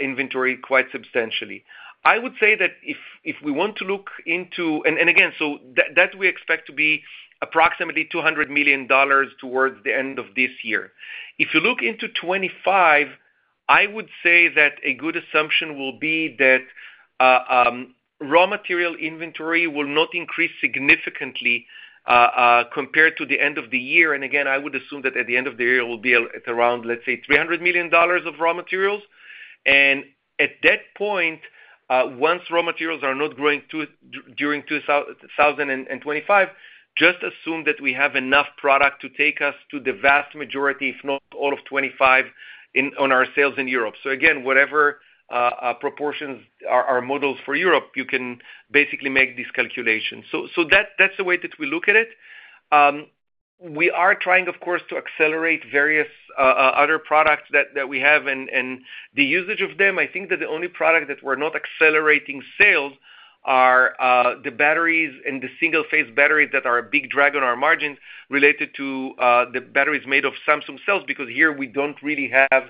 inventory quite substantially. I would say that if we want to look into—and again, so that we expect to be approximately $200 million towards the end of this year. If you look into 2025, I would say that a good assumption will be that raw material inventory will not increase significantly, compared to the end of the year. And again, I would assume that at the end of the year, it will be at around, let's say, $300 million of raw materials. And at that point, once raw materials are not growing during 2025, just assume that we have enough product to take us to the vast majority, if not all, of 2025 in, on our sales in Europe. So again, whatever proportions our models for Europe, you can basically make these calculations. So that's the way that we look at it. We are trying, of course, to accelerate various other products that we have and the usage of them. I think that the only product that we're not accelerating sales are the batteries and the single-phase batteries that are a big drag on our margins related to the batteries made of Samsung cells, because here we don't really have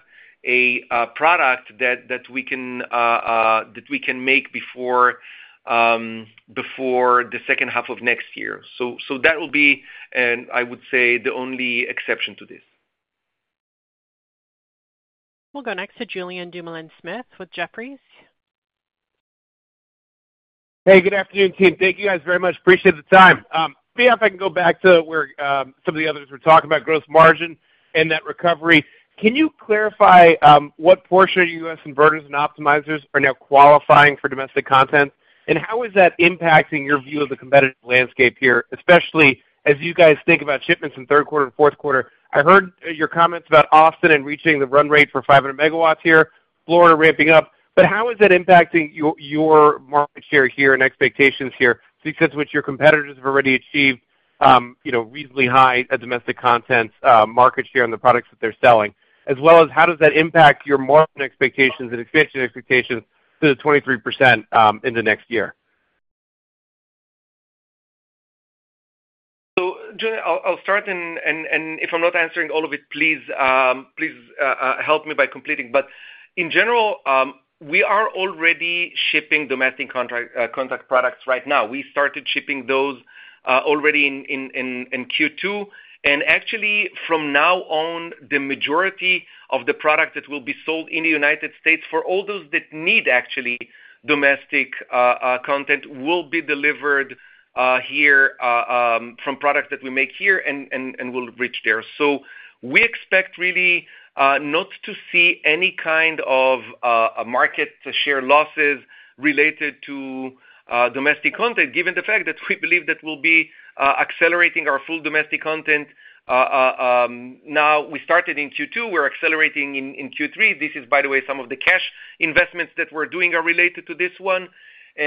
a product that we can make before the second half of next year. So that will be, and I would say, the only exception to this. We'll go next to Julian Dumoulin-Smith with Jefferies. Hey, good afternoon, team. Thank you, guys, very much. Appreciate the time. Maybe if I can go back to where some of the others were talking about gross margin and that recovery. Can you clarify what portion of U.S. inverters and optimizers are now qualifying for domestic content? And how is that impacting your view of the competitive landscape here, especially as you guys think about shipments in third quarter and fourth quarter? I heard your comments about Austin and reaching the run rate for 500 megawatts here, Florida ramping up. But how is that impacting your, your market share here and expectations here, since that's what your competitors have already achieved, you know, reasonably high domestic content market share on the products that they're selling? As well as how does that impact your margin expectations and expansion expectations to the 23%, in the next year? So Julian, I'll start, and if I'm not answering all of it, please help me by completing. But in general, we are already shipping domestic content products right now. We started shipping those already in Q2, and actually, from now on, the majority of the product that will be sold in the United States for all those that need actually domestic content, will be delivered here from products that we make here and will reach there. So we expect really not to see any kind of a market share losses related to domestic content, given the fact that we believe that we'll be accelerating our full domestic content. Now, we started in Q2. We're accelerating in Q3. This is, by the way, some of the cash investments that we're doing are related to this one...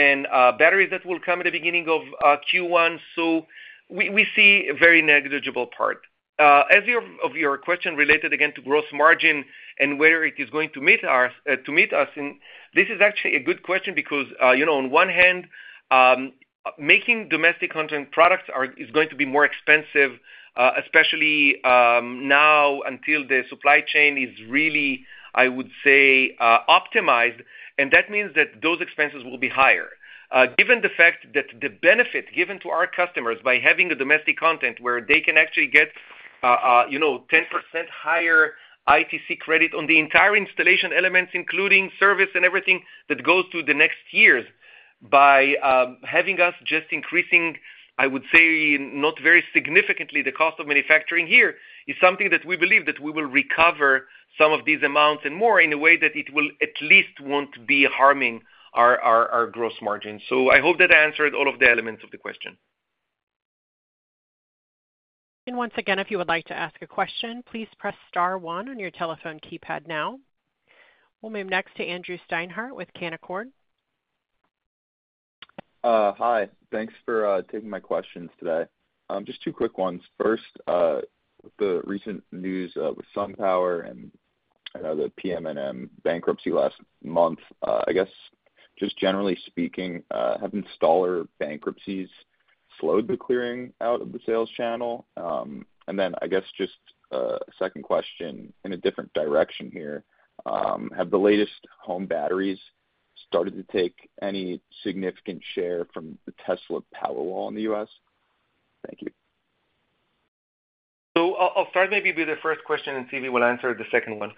and batteries that will come at the beginning of Q1, so we, we see a very negligible part. As part of your question related again to gross margin and where it is going to meet our to meet us, and this is actually a good question because, you know, on one hand, making domestic Content products are, is going to be more expensive, especially now until the supply chain is really, I would say, optimized, and that means that those expenses will be higher. Given the fact that the benefit given to our customers by having the domestic content where they can actually get, you know, 10% higher ITC credit on the entire installation elements, including service and everything that goes through the next years, by having us just increasing, I would say, not very significantly, the cost of manufacturing here, is something that we believe that we will recover some of these amounts and more in a way that it will at least won't be harming our gross margin. So I hope that answered all of the elements of the question. Once again, if you would like to ask a question, please press star one on your telephone keypad now. We'll move next to Austin Moeller with Canaccord. Hi. Thanks for taking my questions today. Just two quick ones. First, the recent news with SunPower and I know the PM&M bankruptcy last month. I guess, just generally speaking, have installer bankruptcies slowed the clearing out of the sales channel? And then I guess just a second question in a different direction here. Have the latest home batteries started to take any significant share from the Tesla Powerwall in the US? Thank you. So I'll start maybe with the first question, and Zvi will answer the second one.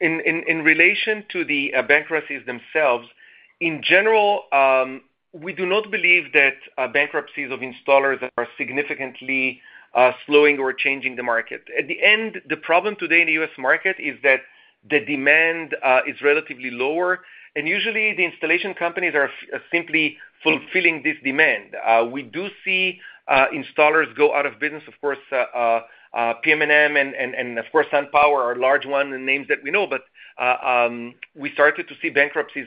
In relation to the bankruptcies themselves, in general, we do not believe that bankruptcies of installers are significantly slowing or changing the market. At the end, the problem today in the U.S. market is that the demand is relatively lower, and usually the installation companies are simply fulfilling this demand. We do see installers go out of business, of course, PM&M and of course, SunPower are large ones and names that we know, but we started to see bankruptcies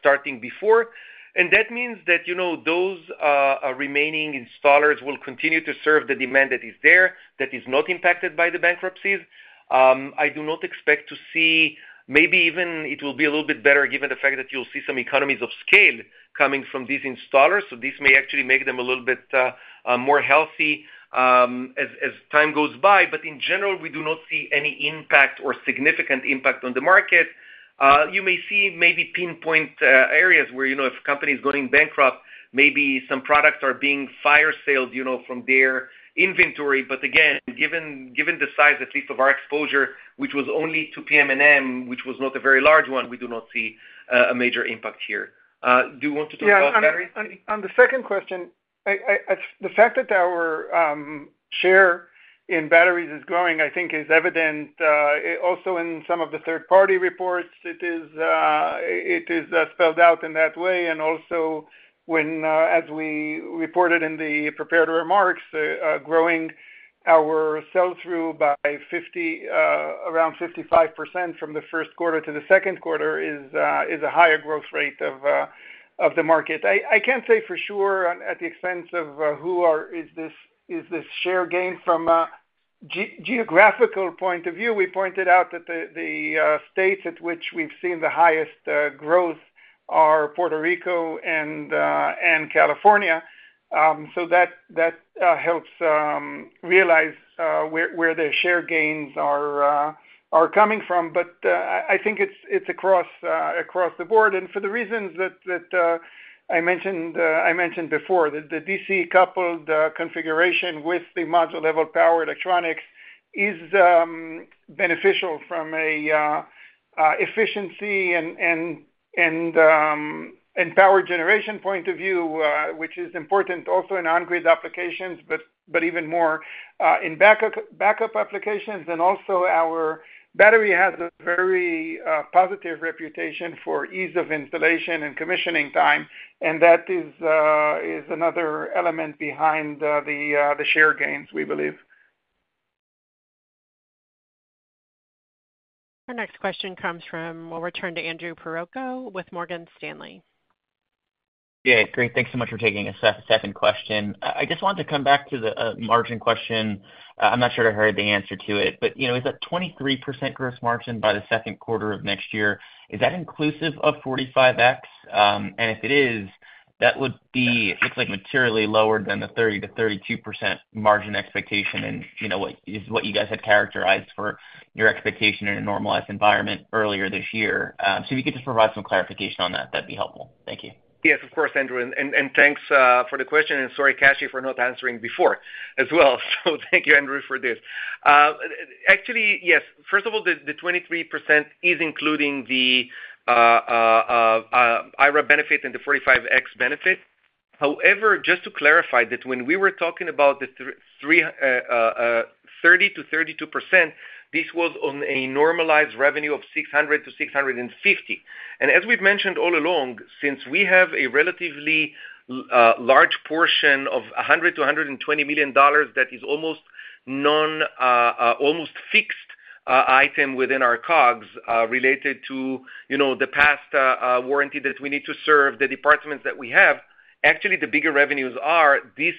starting before. And that means that, you know, those remaining installers will continue to serve the demand that is there, that is not impacted by the bankruptcies. I do not expect to see -- maybe even it will be a little bit better given the fact that you'll see some economies of scale coming from these installers, so this may actually make them a little bit more healthy as time goes by. But in general, we do not see any impact or significant impact on the market. You may see maybe pinpoint areas where, you know, if companies going bankrupt, maybe some products are being fire saled, you know, from their inventory. But again, given the size, at least of our exposure, which was only to PM&M, which was not a very large one, we do not see a major impact here. Do you want to talk about batteries, Zvi? Yeah. On the second question, I, the fact that our share in batteries is growing, I think is evident also in some of the third-party reports. It is spelled out in that way, and also when, as we reported in the prepared remarks, growing our sell-through by around 55% from the first quarter to the second quarter is a higher growth rate of the market. I can't say for sure at the expense of who or is this share gain from a geographical point of view. We pointed out that the states at which we've seen the highest growth are Puerto Rico and California. So that helps realize where the share gains are coming from. But I think it's across the board. And for the reasons that I mentioned before, the DC-coupled configuration with the module-level power electronics is beneficial from a efficiency and power generation point of view, which is important also in on-grid applications, but even more in backup applications. And also our battery has a very positive reputation for ease of installation and commissioning time, and that is another element behind the share gains, we believe. Our next question comes from... We'll return to Andrew Percoco with Morgan Stanley. Yeah, great. Thanks so much for taking a second question. I just wanted to come back to the margin question. I'm not sure I heard the answer to it, but, you know, is that 23% gross margin by the second quarter of next year, is that inclusive of 45X? And if it is, that would be, it looks like materially lower than the 30%-32% margin expectation and, you know, is what you guys had characterized for your expectation in a normalized environment earlier this year. So if you could just provide some clarification on that, that'd be helpful. Thank you. Yes, of course, Andrew, and thanks for the question, and sorry, Kashy, for not answering before as well. So thank you, Andrew, for this. Actually, yes, first of all, the 23% is including the IRA benefit and the 45X benefit. However, just to clarify, that when we were talking about the three, thirty to thirty-two percent, this was on a normalized revenue of $600 million-$650 million. And as we've mentioned all along, since we have a relatively large portion of $100 million-$120 million, that is almost non, almost fixed- item within our COGS, related to, you know, the past warranty that we need to serve the departments that we have. Actually, the bigger revenues are, this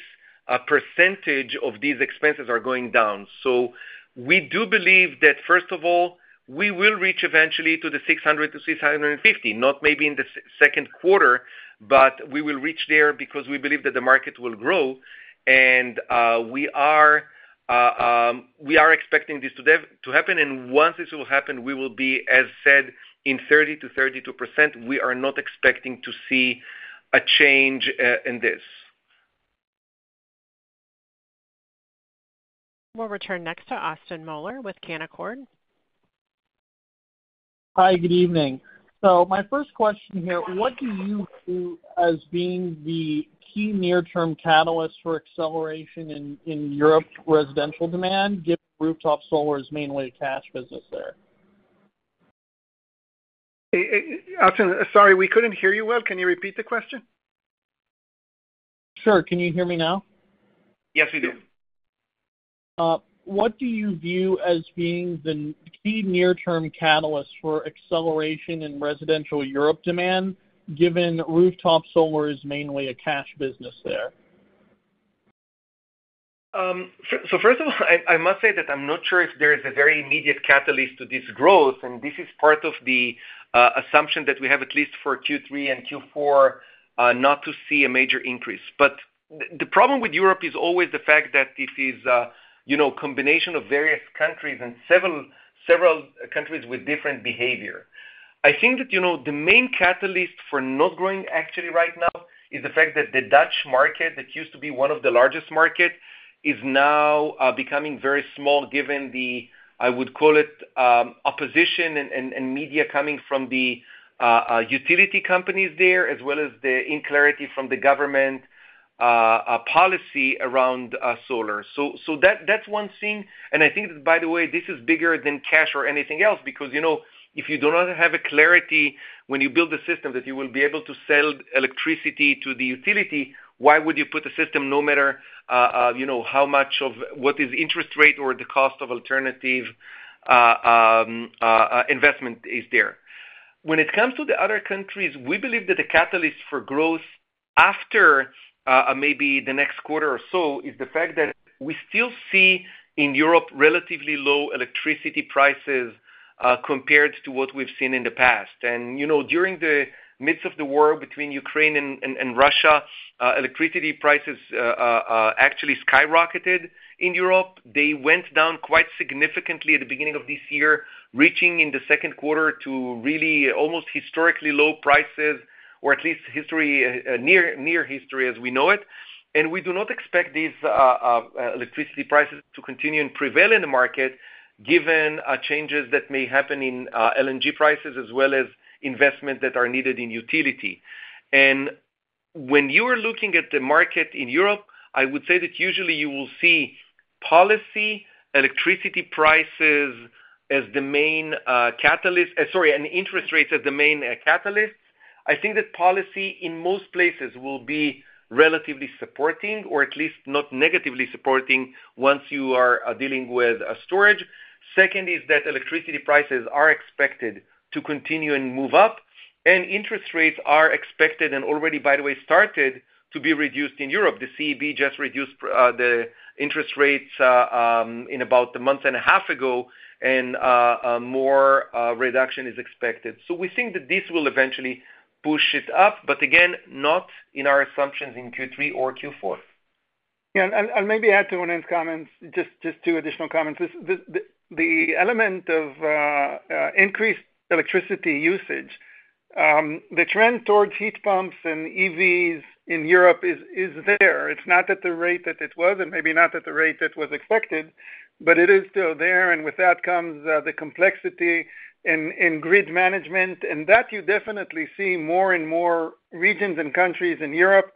percentage of these expenses are going down. So we do believe that, first of all, we will reach eventually to the 600-650, not maybe in the second quarter, but we will reach there because we believe that the market will grow. And we are expecting this to happen, and once this will happen, we will be, as said, in 30%-32%. We are not expecting to see a change in this. We'll return next to Austin Moeller with Canaccord. Hi, good evening. So my first question here: what do you view as being the key near-term catalyst for acceleration in Europe residential demand, given rooftop solar is mainly a cash business there? Austin, sorry, we couldn't hear you well. Can you repeat the question? Sure. Can you hear me now? Yes, we do. What do you view as being the key near-term catalyst for acceleration in residential Europe demand, given rooftop solar is mainly a cash business there? So first of all, I must say that I'm not sure if there is a very immediate catalyst to this growth, and this is part of the assumption that we have, at least for Q3 and Q4, not to see a major increase. But the problem with Europe is always the fact that this is, you know, combination of various countries and several countries with different behavior. I think that, you know, the main catalyst for not growing actually right now is the fact that the Dutch market, that used to be one of the largest markets, is now becoming very small, given the, I would call it, opposition and media coming from the utility companies there, as well as the uncertainty from the government policy around solar. That's one thing. And I think, by the way, this is bigger than cash or anything else, because, you know, if you do not have a clarity when you build a system that you will be able to sell electricity to the utility, why would you put a system no matter, you know, how much of what is interest rate or the cost of alternative, investment is there? When it comes to the other countries, we believe that the catalyst for growth after, maybe the next quarter or so, is the fact that we still see in Europe relatively low electricity prices, compared to what we've seen in the past. And, you know, during the midst of the war between Ukraine and Russia, electricity prices, actually skyrocketed in Europe. They went down quite significantly at the beginning of this year, reaching in the second quarter to really almost historically low prices, or at least history, near history as we know it. And we do not expect these, electricity prices to continue and prevail in the market, given, changes that may happen in, LNG prices, as well as investment that are needed in utility. And when you are looking at the market in Europe, I would say that usually you will see policy, electricity prices as the main, catalyst, sorry, and interest rates as the main, catalyst. I think that policy in most places will be relatively supporting or at least not negatively supporting once you are, dealing with, storage. Second is that electricity prices are expected to continue and move up, and interest rates are expected, and already, by the way, started to be reduced in Europe. The ECB just reduced the interest rates in about a month and a half ago, and more reduction is expected. So we think that this will eventually push it up, but again, not in our assumptions in Q3 or Q4. Yeah, and maybe add to Ronen's comments, just two additional comments. The element of increased electricity usage, the trend towards heat pumps and EVs in Europe is there. It's not at the rate that it was, and maybe not at the rate that was expected, but it is still there, and with that comes the complexity in grid management. And that you definitely see more and more regions and countries in Europe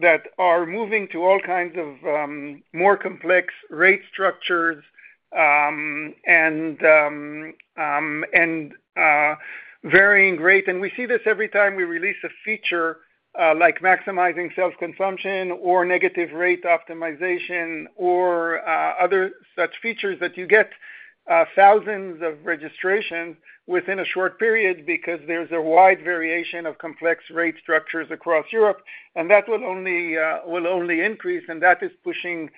that are moving to all kinds of more complex rate structures, and varying rates. We see this every time we release a feature, like maximizing self-consumption or negative rate optimization or other such features that you get thousands of registrations within a short period, because there's a wide variation of complex rate structures across Europe, and that will only increase, and that is pushing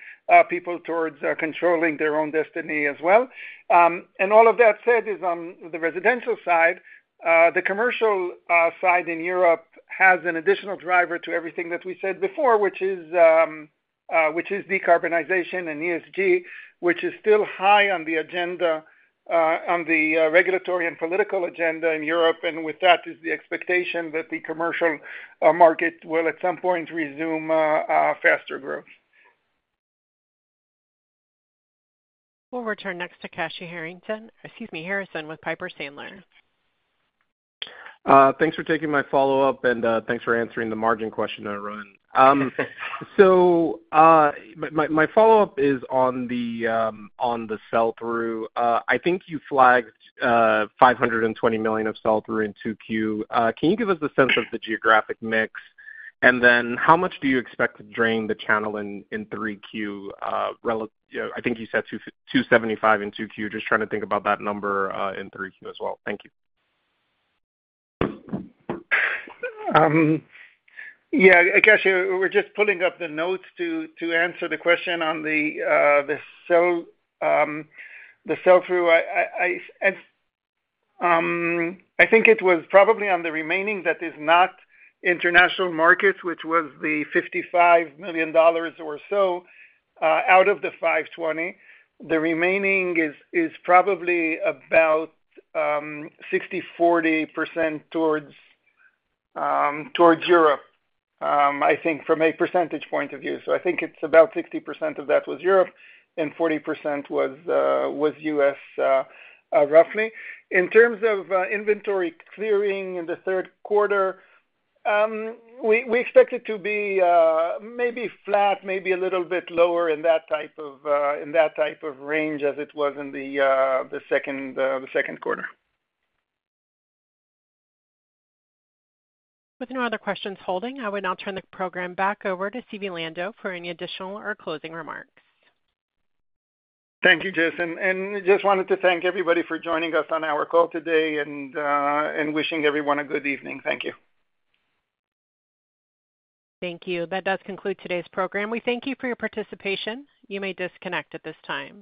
people towards controlling their own destiny as well. All of that said is on the residential side. The commercial side in Europe has an additional driver to everything that we said before, which is decarbonization and ESG, which is still high on the agenda on the regulatory and political agenda in Europe. With that is the expectation that the commercial market will, at some point, resume faster growth. We'll return next to Kashy Harrison, excuse me, Harrison with Piper Sandler. Thanks for taking my follow-up, and thanks for answering the margin question, Ronen. So, my follow-up is on the sell-through. I think you flagged $520 million of sell-through in 2Q. Can you give us the sense of the geographic mix? And then how much do you expect to drain the channel in 3Q relative to the $275 million in 2Q? Just trying to think about that number in 3Q as well. Thank you. Yeah, I guess we're just pulling up the notes to answer the question on the sell-through. I think it was probably on the remaining that is not international markets, which was the $55 million or so out of the $520. The remaining is probably about 60/40 percent towards Europe, I think from a percentage point of view. So I think it's about 60% of that was Europe and 40% was US, roughly. In terms of inventory clearing in the third quarter, we expect it to be maybe flat, maybe a little bit lower in that type of range as it was in the second quarter. With no other questions holding, I will now turn the program back over to Zvi Lando for any additional or closing remarks. Thank you, Jason, and just wanted to thank everybody for joining us on our call today and, and wishing everyone a good evening. Thank you. Thank you. That does conclude today's program. We thank you for your participation. You may disconnect at this time.